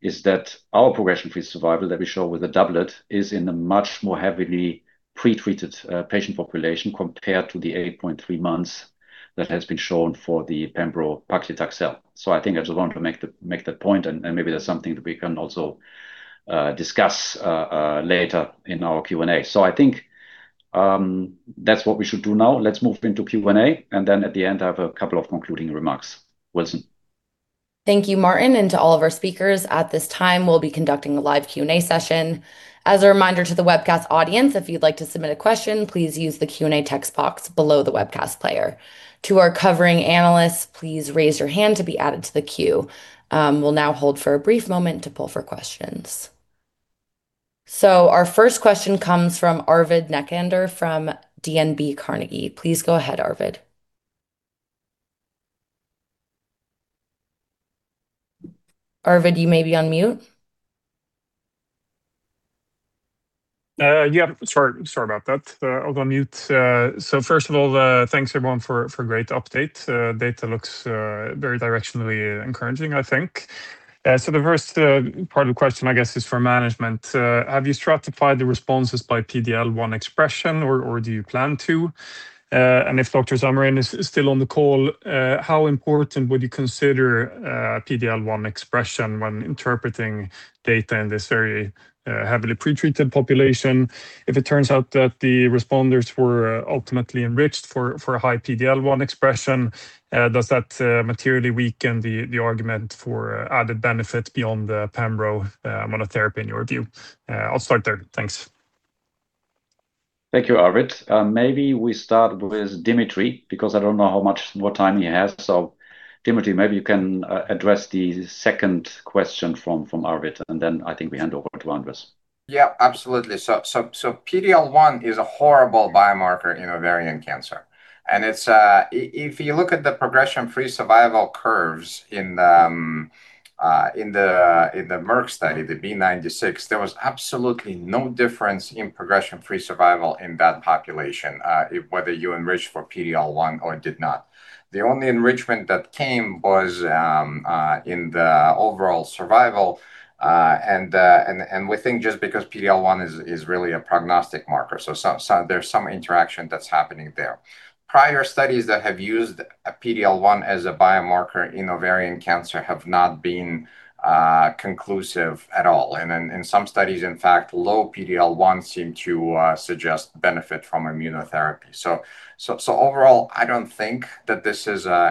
is that our progression-free survival that we show with the doublet is in a much more heavily pretreated patient population compared to the 8.3 months that has been shown for the pembrolizumab paclitaxel. I think I just want to make that point, and maybe that's something that we can also discuss later in our Q&A. I think that's what we should do now. Let's move into Q&A, and then at the end, I have a couple of concluding remarks. Wilson? Thank you, Martin, and to all of our speakers. At this time, we'll be conducting a live Q&A session. As a reminder to the webcast audience, if you'd like to submit a question, please use the Q&A text box below the webcast player. To our covering analysts, please raise your hand to be added to the queue. We'll now hold for a brief moment to pull for questions. Our first question comes from Arvid Necander from DNB Carnegie. Please go ahead, Arvid. Arvid, you may be on mute. Yeah, sorry about that. I was on mute. First of all, thanks everyone for a great update. Data looks very directionally encouraging, I think. The first part of the question, I guess, is for management. Have you stratified the responses by PD-L1 expression, or do you plan to? If Dr. Zamarin is still on the call, how important would you consider PD-L1 expression when interpreting data in this very heavily pretreated population? If it turns out that the responders were ultimately enriched for a high PD-L1 expression, does that materially weaken the argument for added benefit beyond the pembrolizumab monotherapy in your view? I'll start there. Thanks. Thank you, Arvid. Maybe we start with Dmitriy, because I don't know what time he has. Dmitriy, maybe you can address the second question from Arvid, and then I think we hand over to Andres. Yeah, absolutely. PD-L1 is a horrible biomarker in ovarian cancer. If you look at the progression-free survival curves in the Merck study, the B-96, there was absolutely no difference in progression-free survival in that population, whether you enriched for PD-L1 or did not. The only enrichment that came was in the overall survival, and we think just because PD-L1 is really a prognostic marker. There's some interaction that's happening there. Prior studies that have used PD-L1 as a biomarker in ovarian cancer have not been conclusive at all. In some studies, in fact, low PD-L1 seemed to suggest benefit from immunotherapy. Overall, I don't think that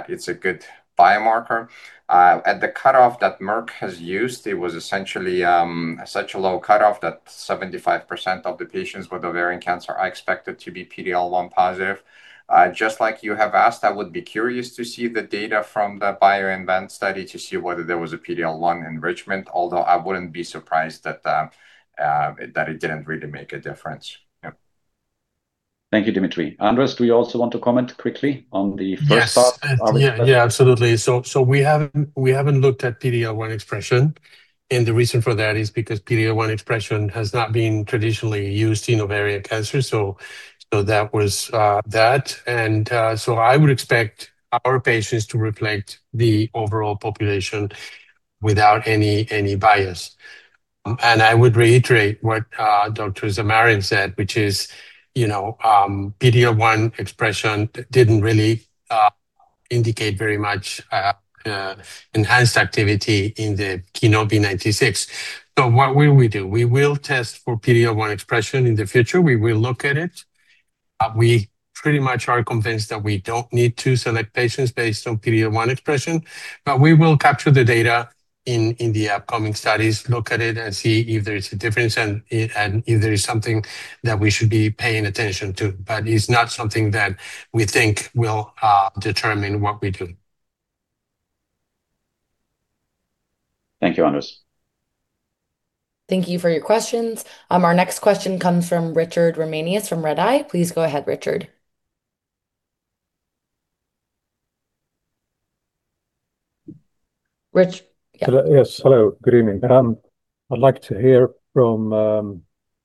it's a good biomarker. At the cutoff that Merck has used, it was essentially such a low cutoff that 75% of the patients with ovarian cancer are expected to be PD-L1 positive. Just like you have asked, I would be curious to see the data from the BioInvent study to see whether there was a PD-L1 enrichment, although I wouldn't be surprised that it didn't really make a difference. Yep. Thank you, Dmitriy. Andres, do you also want to comment quickly on the first part? Yes. Yeah, absolutely. We haven't looked at PD-L1 expression, and the reason for that is because PD-L1 expression has not been traditionally used in ovarian cancer. That was that. I would expect our patients to reflect the overall population without any bias. I would reiterate what Dr. Zamarin said, which is PD-L1 expression didn't really indicate very much enhanced activity in the KEYNOTE-B96. What will we do? We will test for PD-L1 expression in the future. We will look at it. We pretty much are convinced that we don't need to select patients based on PD-L1 expression, but we will capture the data in the upcoming studies, look at it and see if there is a difference and if there is something that we should be paying attention to. It's not something that we think will determine what we do. Thank you, Andres. Thank you for your questions. Our next question comes from Richard Ramanius from Redeye. Please go ahead, Richard. Rich? Yes. Hello, good evening. I'd like to hear from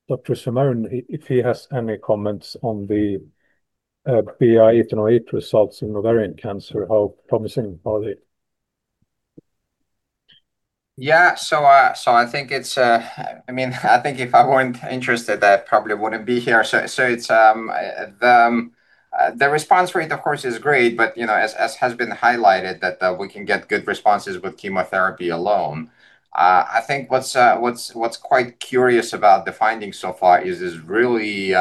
Dr. Zamarin, if he has any comments on the BI-1808 results in ovarian cancer. How promising are they? Yeah. I think if I weren't interested, I probably wouldn't be here. The response rate, of course, is great, but as has been highlighted that we can get good responses with chemotherapy alone. I think what's quite curious about the findings so far is this really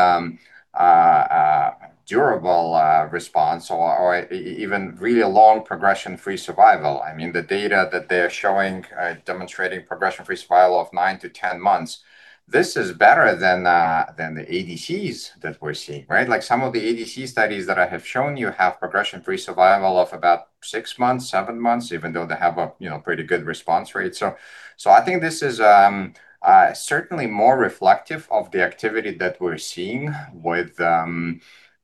durable response or even really a long progression-free survival. The data that they're showing, demonstrating progression-free survival of nine to 10 months, this is better than the ADCs that we're seeing, right? Some of the ADC studies that I have shown you have progression-free survival of about six months, seven months, even though they have a pretty good response rate. I think this is certainly more reflective of the activity that we're seeing with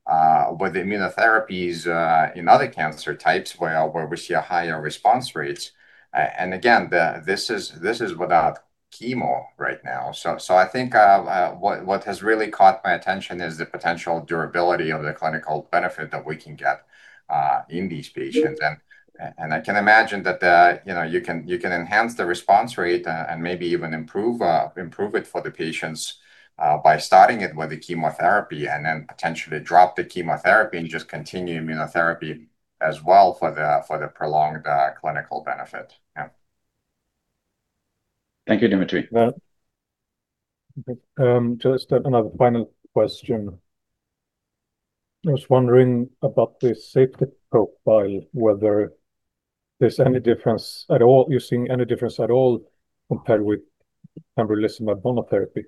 immunotherapies in other cancer types where we see a higher response rates. And again, this is without chemo right now. I think what has really caught my attention is the potential durability of the clinical benefit that we can get in these patients. And I can imagine that you can enhance the response rate and maybe even improve it for the patients by starting it with the chemotherapy and then potentially drop the chemotherapy and just continue immunotherapy as well for the prolonged clinical benefit. Yeah. Thank you, Dmitriy. Just another final question. I was wondering about the safety profile, whether there's any difference at all, you're seeing any difference at all compared with pembrolizumab monotherapy.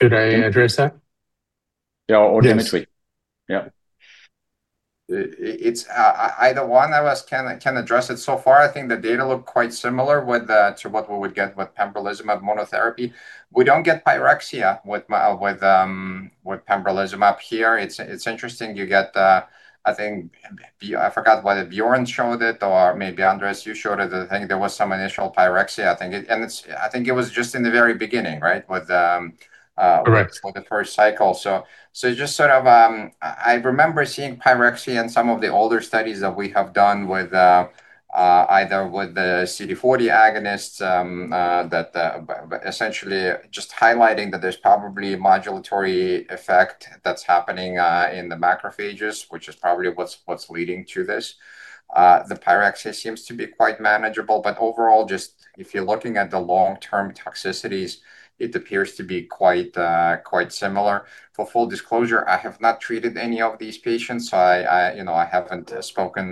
Should I address that? Yeah, or Dmitriy. Yeah. Either one of us can address it. Far, I think the data look quite similar to what we would get with pembrolizumab monotherapy. We don't get pyrexia with pembrolizumab here. It's interesting. I forgot whether Björn showed it or maybe, Andres, you showed it. I think there was some initial pyrexia. I think it was just in the very beginning, right? With the first cycle. I remember seeing pyrexia in some of the older studies that we have done either with the CD40 agonists, essentially just highlighting that there's probably a modulatory effect that's happening in the macrophages, which is probably what's leading to this. The pyrexia seems to be quite manageable, overall, just if you're looking at the long-term toxicities, it appears to be quite similar. For full disclosure, I have not treated any of these patients. I haven't spoken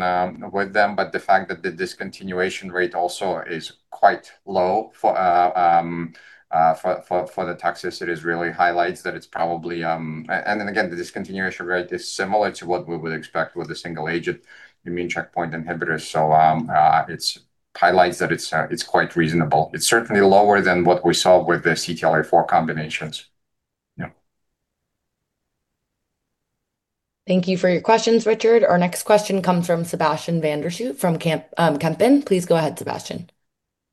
with them. The fact that the discontinuation rate also is quite low for the toxicities really highlights that the discontinuation rate is similar to what we would expect with a single-agent immune checkpoint inhibitor. It highlights that it's quite reasonable. It's certainly lower than what we saw with the CTLA-4 combinations. Yeah. Thank you for your questions, Richard. Our next question comes from Sebastiaan van der Schoot from Kempen. Please go ahead, Sebastiaan.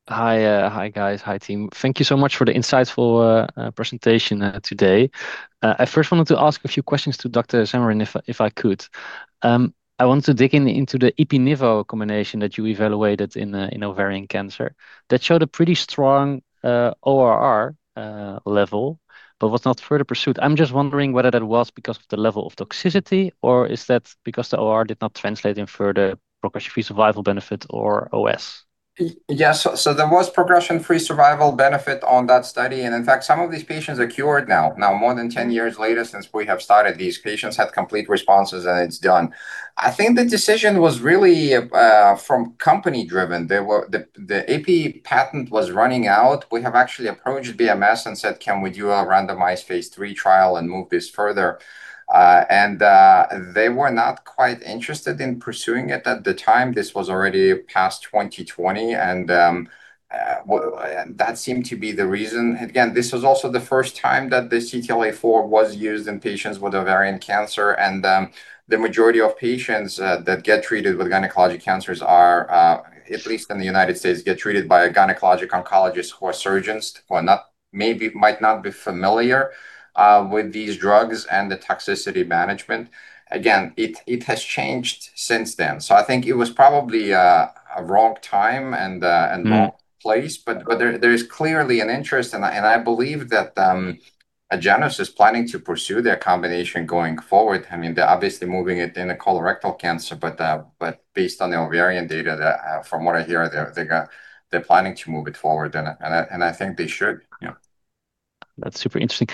Hi. Hi guys. Hi team. Thank you so much for the insightful presentation today. I first wanted to ask a few questions to Dr. Zamarin, if I could. I want to dig in into the ipi nivo combination that you evaluated in ovarian cancer that showed a pretty strong OR level but was not further pursued. I'm just wondering whether that was because of the level of toxicity or is that because the OR did not translate in further progression-free survival benefit or OS? Yeah. There was progression-free survival benefit on that study, and in fact, some of these patients are cured now. Now, more than 10 years later since we have started, these patients had complete responses, and it's done. I think the decision was really from company-driven. The ipi patent was running out. We have actually approached BMS and said, "Can we do a randomized phase III trial and move this further?" They were not quite interested in pursuing it at the time. This was already past 2020, and that seemed to be the reason. Again, this was also the first time that the CTLA-4 was used in patients with ovarian cancer. The majority of patients that get treated with gynecologic cancers are, at least in the U.S., get treated by gynecologic oncologists who are surgeons who might not be familiar with these drugs and the toxicity management. Again, it has changed since then. I think it was probably a wrong time, wrong place. There is clearly an interest. I believe that Agenus is planning to pursue their combination going forward. They're obviously moving it in a colorectal cancer. Based on the ovarian data, from what I hear, they're planning to move it forward. I think they should. Yeah. That's super interesting.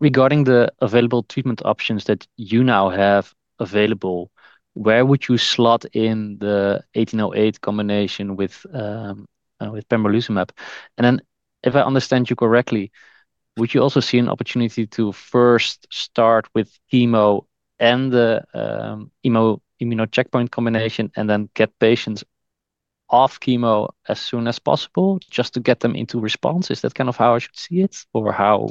Regarding the available treatment options that you now have available, where would you slot in the 1808 combination with pembrolizumab? If I understand you correctly, would you also see an opportunity to first start with chemo and the immune checkpoint combination and then get patients off chemo as soon as possible just to get them into response? Is that kind of how I should see it or how?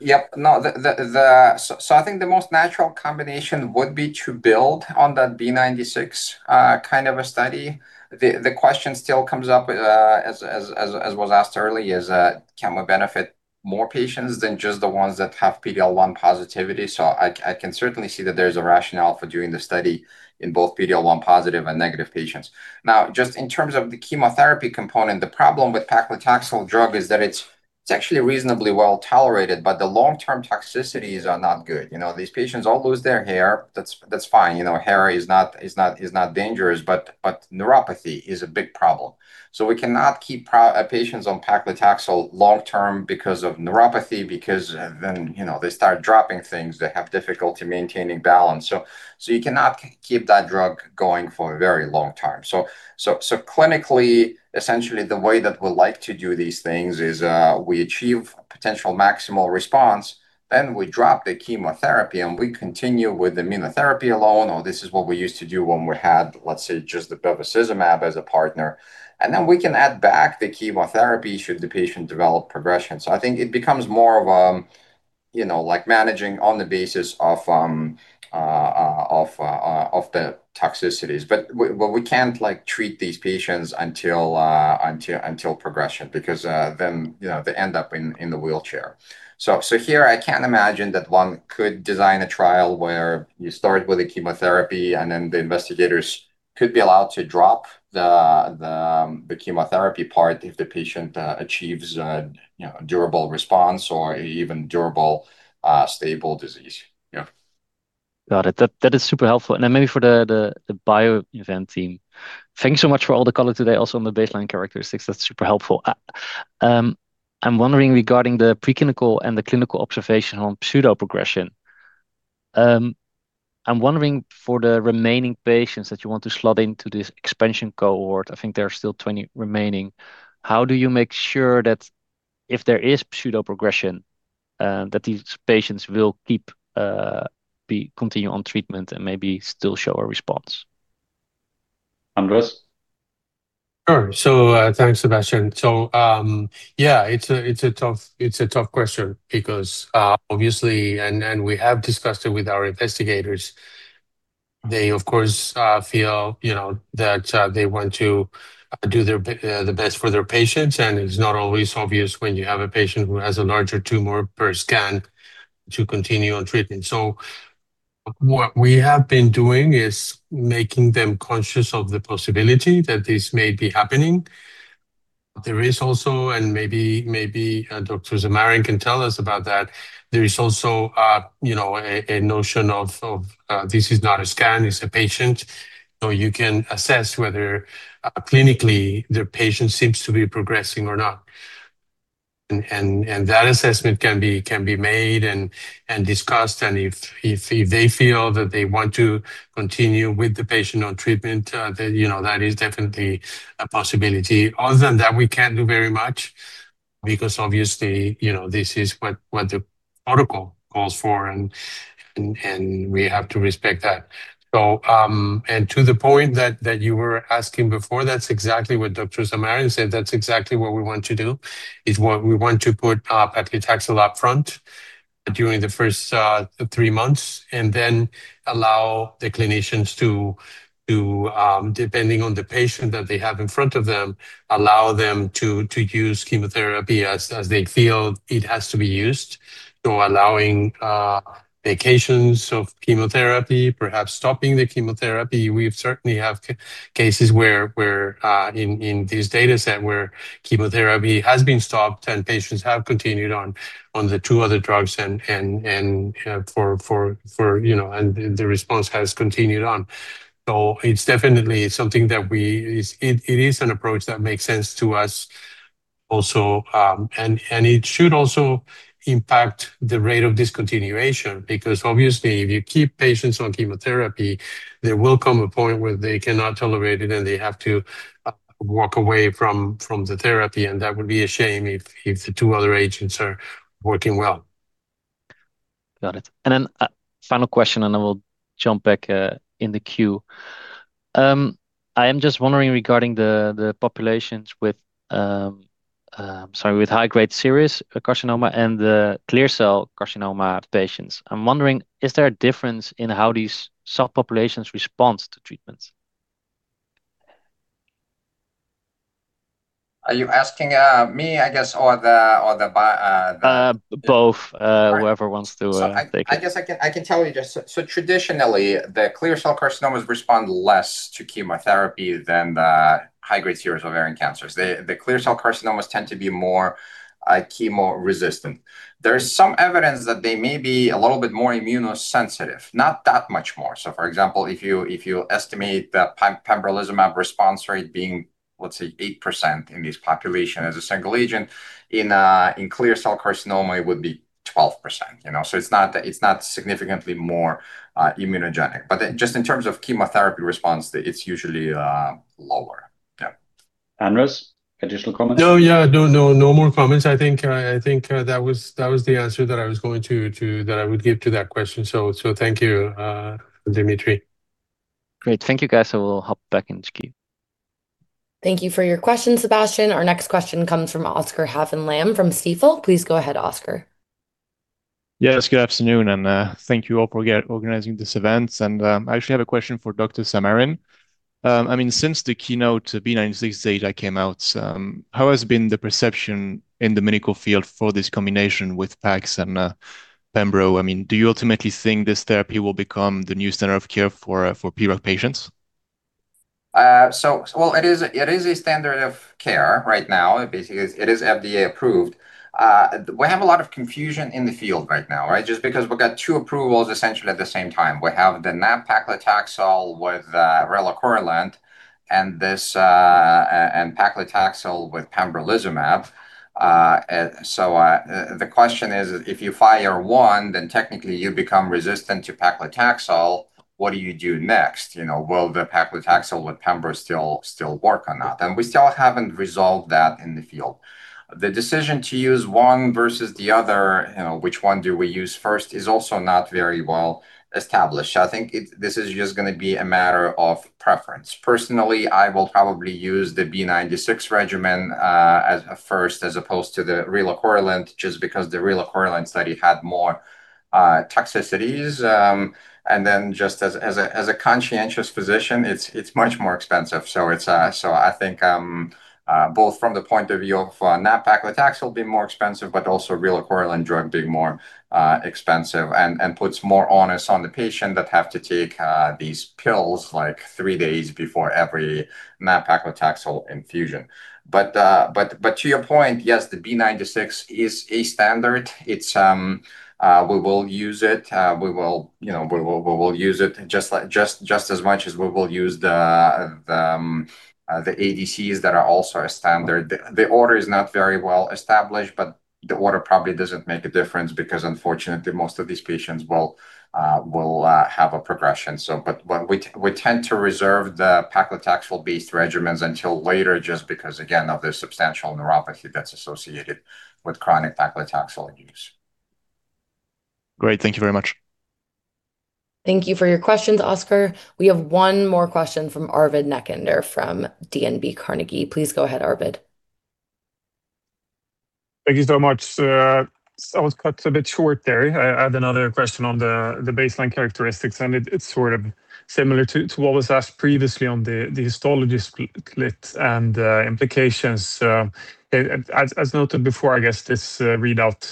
Yep. No. I think the most natural combination would be to build on that B96 kind of a study. The question still comes up, as was asked earlier, is can we benefit more patients than just the ones that have PD-L1 positivity? I can certainly see that there's a rationale for doing the study in both PD-L1 positive and negative patients. Just in terms of the chemotherapy component, the problem with paclitaxel drug is that it's actually reasonably well-tolerated, but the long-term toxicities are not good. These patients all lose their hair. That's fine. Hair is not dangerous, but neuropathy is a big problem. We cannot keep patients on paclitaxel long term because of neuropathy, because then they start dropping things. They have difficulty maintaining balance. You cannot keep that drug going for a very long time. Clinically, essentially, the way that we like to do these things is, we achieve potential maximal response, then we drop the chemotherapy, and we continue with immunotherapy alone, or this is what we used to do when we had, let's say, just the bevacizumab as a partner. We can add back the chemotherapy should the patient develop progression. I think it becomes more of managing on the basis of the toxicities. We can't treat these patients until progression, because then they end up in the wheelchair. Here I can imagine that one could design a trial where you start with a chemotherapy, and then the investigators could be allowed to drop the chemotherapy part if the patient achieves a durable response or even durable stable disease. Yeah. Got it. That is super helpful. Maybe for the BioInvent team. Thanks so much for all the color today also on the baseline characteristics. That's super helpful. I'm wondering regarding the preclinical and the clinical observation on pseudoprogression. I'm wondering for the remaining patients that you want to slot into this expansion cohort, I think there are still 20 remaining. How do you make sure that if there is pseudoprogression, that these patients will continue on treatment and maybe still show a response? Andres? Sure. Thanks, Sebastiaan. Yeah, it's a tough question because obviously, and we have discussed it with our investigators, they of course, feel that they want to do the best for their patients, and it's not always obvious when you have a patient who has a larger tumor per scan to continue on treatment. What we have been doing is making them conscious of the possibility that this may be happening. There is also, and maybe Dr. Zamarin can tell us about that. There is also a notion of this is not a scan, it's a patient, so you can assess whether clinically their patient seems to be progressing or not. That assessment can be made and discussed, and if they feel that they want to continue with the patient on treatment, that is definitely a possibility. Other than that, we can't do very much because obviously, this is what the protocol calls for and we have to respect that. To the point that you were asking before, that's exactly what Dr. Zamarin said. That's exactly what we want to do, is we want to put paclitaxel up front during the first three months and then allow the clinicians to, depending on the patient that they have in front of them, allow them to use chemotherapy as they feel it has to be used. Allowing vacations of chemotherapy, perhaps stopping the chemotherapy. We certainly have cases in this data set where chemotherapy has been stopped and patients have continued on the two other drugs and the response has continued on. It's definitely an approach that makes sense to us also. It should also impact the rate of discontinuation, because obviously, if you keep patients on chemotherapy, there will come a point where they cannot tolerate it and they have to walk away from the therapy, and that would be a shame if the two other agents are working well. Got it. A final question, then we'll jump back in the queue. I am just wondering regarding the populations with, sorry, with high-grade serous carcinoma and the clear cell carcinoma patients. I'm wondering, is there a difference in how these subpopulations respond to treatments? Are you asking me, I guess, or the? Both. Whoever wants to take it. I guess I can tell you just, so traditionally, the clear cell carcinomas respond less to chemotherapy than the high-grade serous ovarian cancers. The clear cell carcinomas tend to be more chemo-resistant. There is some evidence that they may be a little bit more immunosuppensitive, not that much more. For example, if you estimate the pembrolizumab response rate being, let's say, 8% in this population as a single agent. In clear cell carcinoma, it would be 12%. It's not significantly more immunogenic. Just in terms of chemotherapy response, it's usually lower. Yeah. Andres, additional comments? No. No more comments. I think that was the answer that I would give to that question. Thank you, Dmitriy. Great. Thank you, guys. I will hop back into queue. Thank you for your question, Sebastiaan. Our next question comes from Oscar Haffen Lamm from Stifel. Please go ahead, Oscar. Yes, good afternoon, and thank you all for organizing this event. I actually have a question for Dr. Zamarin. Since the KEYNOTE-B96 data came out, how has been the perception in the medical field for this combination with pacs and pembrolizumab? Do you ultimately think this therapy will become the new standard of care for PROC patients? Well, it is a standard of care right now. Basically, it is FDA approved. We have a lot of confusion in the field right now. Just because we've got two approvals essentially at the same time. We have the nab-paclitaxel with relacorilant, and paclitaxel with pembrolizumab. The question is, if you fail one, then technically you become resistant to paclitaxel. What do you do next? Will the paclitaxel with pembrolizumab still work or not? We still haven't resolved that in the field. The decision to use one versus the other, which one do we use first, is also not very well established. I think this is just going to be a matter of preference. Personally, I will probably use the B96 regimen as a first as opposed to the relacorilant, just because the relacorilant study had more toxicities. Just as a conscientious physician, it's much more expensive. I think both from the point of view of nab-paclitaxel being more expensive, but also relacorilant drug being more expensive and puts more onus on the patient that have to take these pills three days before every nab-paclitaxel infusion. To your point, yes, the B96 is a standard. We will use it just as much as we will use the ADCs that are also a standard. The order is not very well established, but the order probably doesn't make a difference because unfortunately, most of these patients will have a progression. We tend to reserve the paclitaxel-based regimens until later, just because, again, of the substantial neuropathy that's associated with chronic paclitaxel use. Great. Thank you very much. Thank you for your questions, Oscar. We have one more question from Arvid Necander from DNB Carnegie. Please go ahead, Arvid. Thank you so much. I was cut a bit short there. I had another question on the baseline characteristics, and it's sort of similar to what was asked previously on the histology split and the implications. As noted before, I guess this readout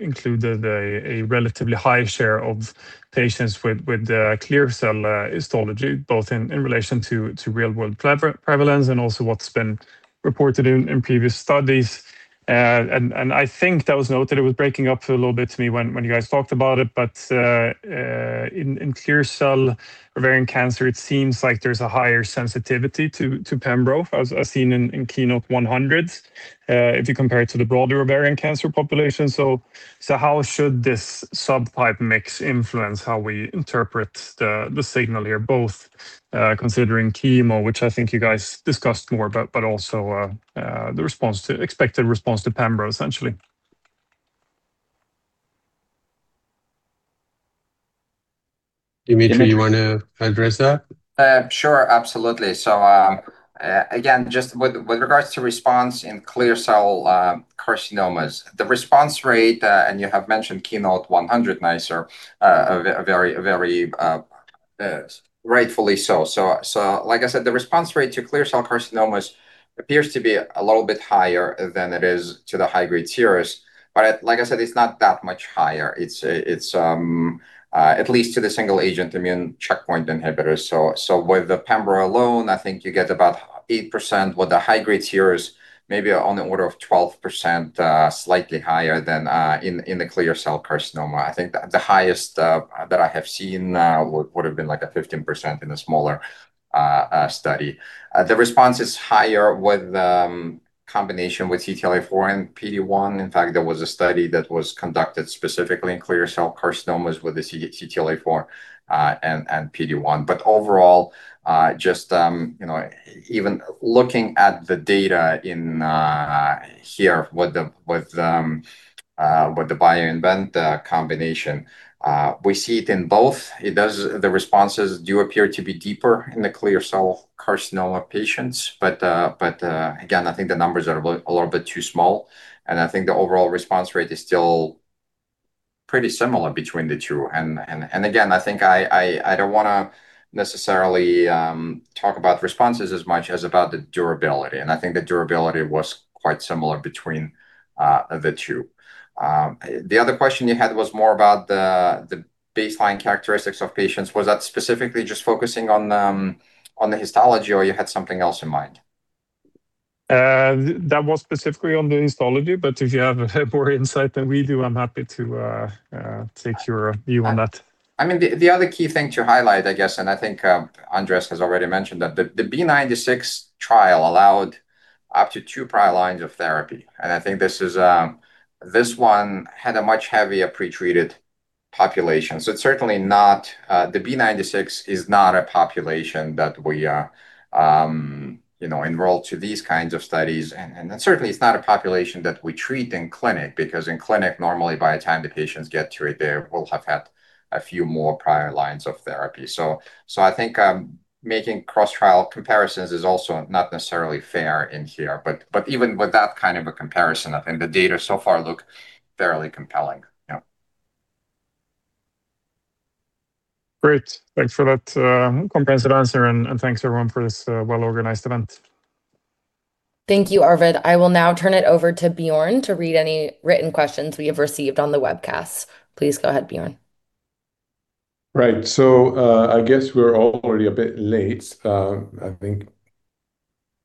included a relatively high share of patients with clear cell histology, both in relation to real-world prevalence and also what's been reported in previous studies. I think that was noted. It was breaking up a little bit to me when you guys talked about it. In clear cell ovarian cancer, it seems like there's a higher sensitivity to pembrolizumab, as seen in KEYNOTE-100, if you compare it to the broader ovarian cancer population. How should this subtype mix influence how we interpret the signal here, both considering chemo, which I think you guys discussed more about, but also the expected response to pembrolizumab, essentially? Dmitriy, you want to address that? Sure. Absolutely. Again, just with regards to response in clear cell carcinomas, the response rate, and you have mentioned KEYNOTE-100, Arvid, very rightfully so. Like I said, the response rate to clear cell carcinomas appears to be a little bit higher than it is to the high-grade serous. Like I said, it's not that much higher. At least to the single-agent immune checkpoint inhibitors. With the pembrolizumab alone, I think you get about 8% with the high-grade serous, maybe on the order of 12%, slightly higher than in the clear cell carcinoma. I think the highest that I have seen would have been like a 15% in a smaller study. The response is higher with combination with CTLA-4 and PD-1. There was a study that was conducted specifically in clear cell carcinomas with the CTLA-4 and PD-1. Overall, just even looking at the data in here with the BioInvent combination, we see it in both. The responses do appear to be deeper in the clear cell carcinoma patients. Again, I think the numbers are a little bit too small, and I think the overall response rate is still pretty similar between the two. Again, I don't want to necessarily talk about responses as much as about the durability. I think the durability was quite similar between the two. The other question you had was more about the baseline characteristics of patients. Was that specifically just focusing on the histology, or you had something else in mind? That was specifically on the histology. If you have more insight than we do, I'm happy to take your view on that. The other key thing to highlight, I guess, and I think Andres has already mentioned that the KEYNOTE-B96 trial allowed up to two prior lines of therapy. I think this one had a much heavier pretreated population. The KEYNOTE-B96 is not a population that we enroll to these kinds of studies. Certainly, it's not a population that we treat in clinic, because in clinic, normally by the time the patients get to it, they will have had a few more prior lines of therapy. I think making cross trial comparisons is also not necessarily fair in here. Even with that kind of a comparison, I think the data so far look fairly compelling. Yep. Great. Thanks for that comprehensive answer and thanks everyone for this well-organized event. Thank you, Arvid. I will now turn it over to Björn to read any written questions we have received on the webcast. Please go ahead, Björn. Right. I guess we're already a bit late. I think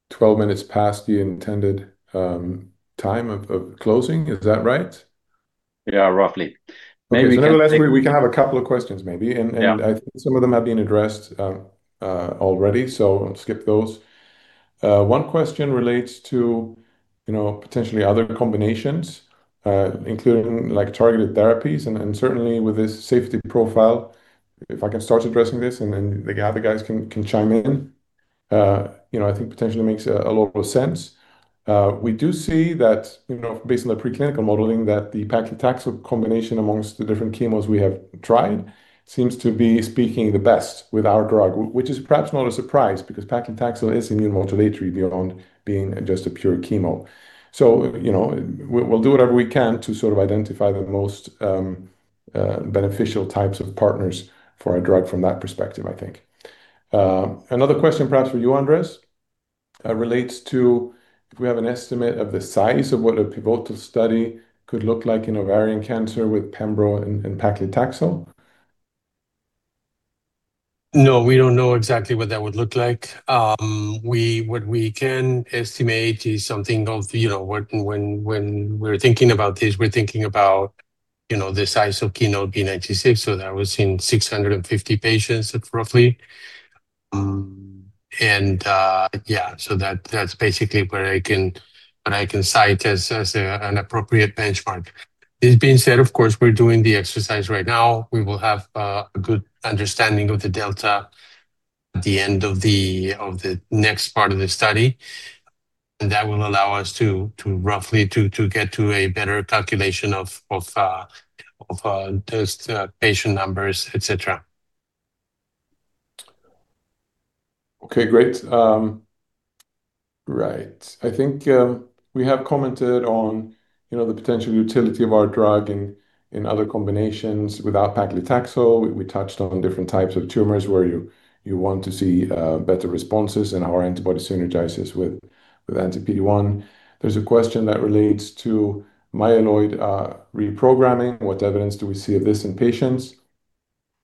12 minutes past the intended time of closing. Is that right? Yeah, roughly. Nevertheless, we can have a couple of questions maybe. I think some of them have been addressed already, so I'll skip those. One question relates to potentially other combinations including targeted therapies and certainly with this safety profile. If I can start addressing this and then the other guys can chime in. I think potentially makes a lot of sense. We do see that based on the preclinical modeling, that the paclitaxel combination amongst the different chemos we have tried seems to be speaking the best with our drug, which is perhaps not a surprise, because paclitaxel is immunomodulatory beyond being just a pure chemo. We'll do whatever we can to sort of identify the most beneficial types of partners for a drug from that perspective, I think. Another question perhaps for you, Andres, relates to if we have an estimate of the size of what a pivotal study could look like in ovarian cancer with pembrolizumab and paclitaxel. We don't know exactly what that would look like. What we can estimate is something of when we're thinking about this, we're thinking about the size of KEYNOTE-B96, that was in 650 patients roughly. Yeah, that's basically what I can cite as an appropriate benchmark. This being said, of course, we're doing the exercise right now. We will have a good understanding of the delta at the end of the next part of the study, that will allow us roughly to get to a better calculation of those patient numbers, et cetera. Okay, great. Right. I think we have commented on the potential utility of our drug in other combinations without paclitaxel. We touched on different types of tumors where you want to see better responses and our antibody synergizes with anti-PD-1. There's a question that relates to myeloid reprogramming. What evidence do we see of this in patients?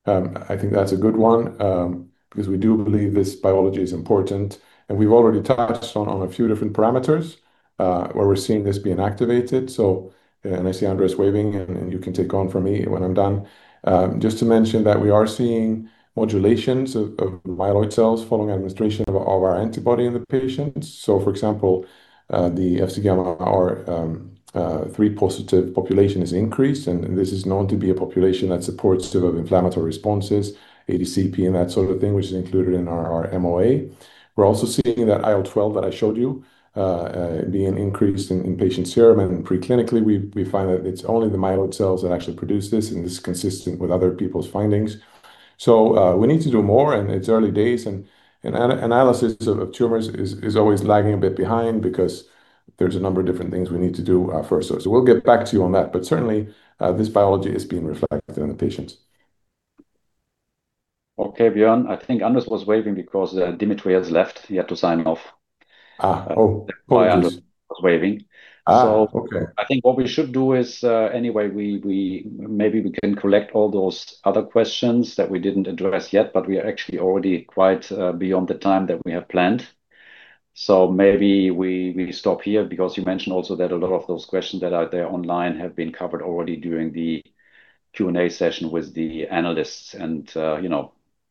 I think that's a good one, because we do believe this biology is important, and we've already touched on a few different parameters, where we're seeing this being activated. I see Andres waving, and you can take on from me when I'm done. Just to mention that we are seeing modulations of myeloid cells following administration of our antibody in the patients. For example, the FcγRIII-positive population is increased, and this is known to be a population that supports to have inflammatory responses, ADCP and that sort of thing, which is included in our MOA. We're also seeing that IL-12 that I showed you being increased in patient serum and preclinically, we find that it's only the myeloid cells that actually produce this, and this is consistent with other people's findings. We need to do more, and it's early days and analysis of tumors is always lagging a bit behind because there's a number of different things we need to do first. We'll get back to you on that. Certainly, this biology is being reflected in the patients. Okay, Björn, I think Andres was waving because Dmitriy has left. He had to sign off. That's why Andres was waving. Okay. I think what we should do is, anyway, maybe we can collect all those other questions that we didn't address yet, but we are actually already quite beyond the time that we have planned. Maybe we stop here because you mentioned also that a lot of those questions that are there online have been covered already during the Q&A session with the analysts and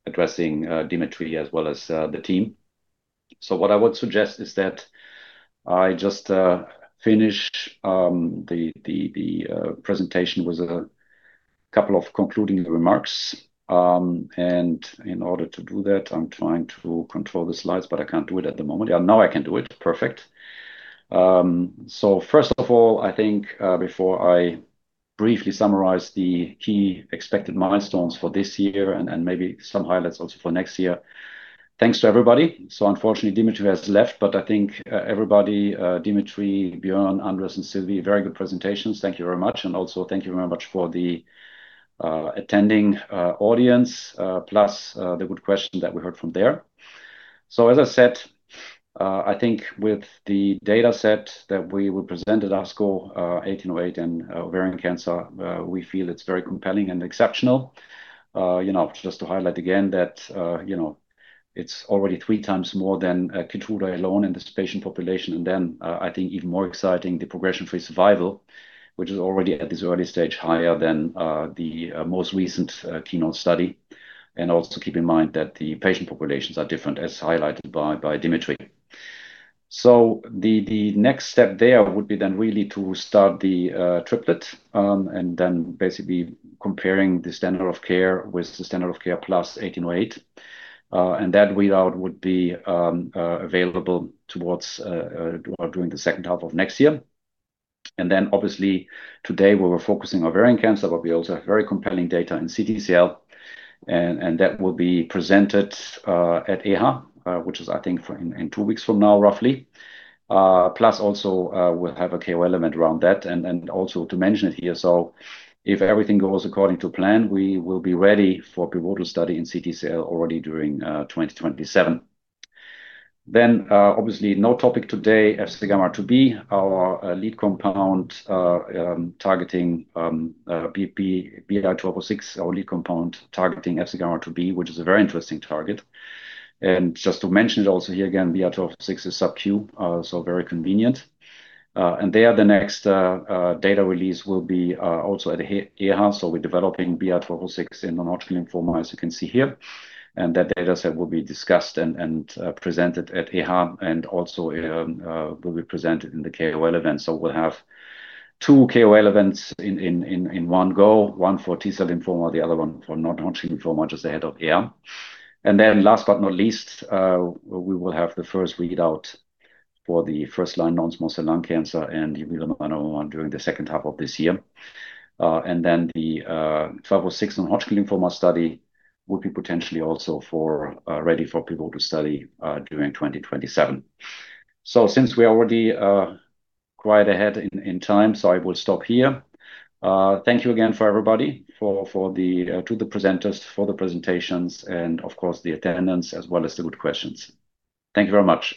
addressing Dmitriy as well as the team. What I would suggest is that I just finish the presentation with a couple of concluding remarks. In order to do that, I'm trying to control the slides, but I can't do it at the moment. Now I can do it, perfect. First of all, I think, before I briefly summarize the key expected milestones for this year and maybe some highlights also for next year. Thanks to everybody. Unfortunately, Dmitriy has left, but I think everybody, Dmitriy, Björn, Andres, and Sylvie, very good presentations. Thank you very much, for the attending audience, plus the good question that we heard from there. As I said, I think with the data set that we will present at ASCO 1808 and ovarian cancer, we feel it's very compelling and exceptional. Just to highlight again that it's already three times more than KEYTRUDA alone in this patient population. I think even more exciting, the progression-free survival, which is already at this early stage, higher than the most recent keynote study. Also keep in mind that the patient populations are different as highlighted by Dmitriy. The next step there would be then really to start the triplet, and then basically comparing the standard of care with the standard of care plus 1808. That readout would be available during the second half of next year. Obviously today we were focusing ovarian cancer, but we also have very compelling data in CTCL, and that will be presented at EHA, which is I think in two weeks from now roughly. Plus also, we'll have a KOL event around that and also to mention it here. If everything goes according to plan, we will be ready for pivotal study in CTCL already during 2027. Obviously no topic today, FcγRIIB, our lead compound targeting FcγRIIB, which is a very interesting target. Just to mention it also here again, BI-1206 is sub-Q, so very convenient. There the next data release will be also at EHA. We're developing BI-1206 in non-Hodgkin lymphoma, as you can see here. That data set will be discussed and presented at EHA and also will be presented in the KOL event. We'll have two KOL events in one go, one for T-cell lymphoma, the other one for non-Hodgkin lymphoma just ahead of EHA. Last but not least, we will have the first readout for the first-line non-small cell lung cancer and melanoma during the second half of this year. The BI-1206 non-Hodgkin lymphoma study would be potentially also ready for pivotal study during 2027. Since we're already quite ahead in time, I will stop here. Thank you again for everybody, to the presenters for the presentations and of course the attendants as well as the good questions. Thank you very much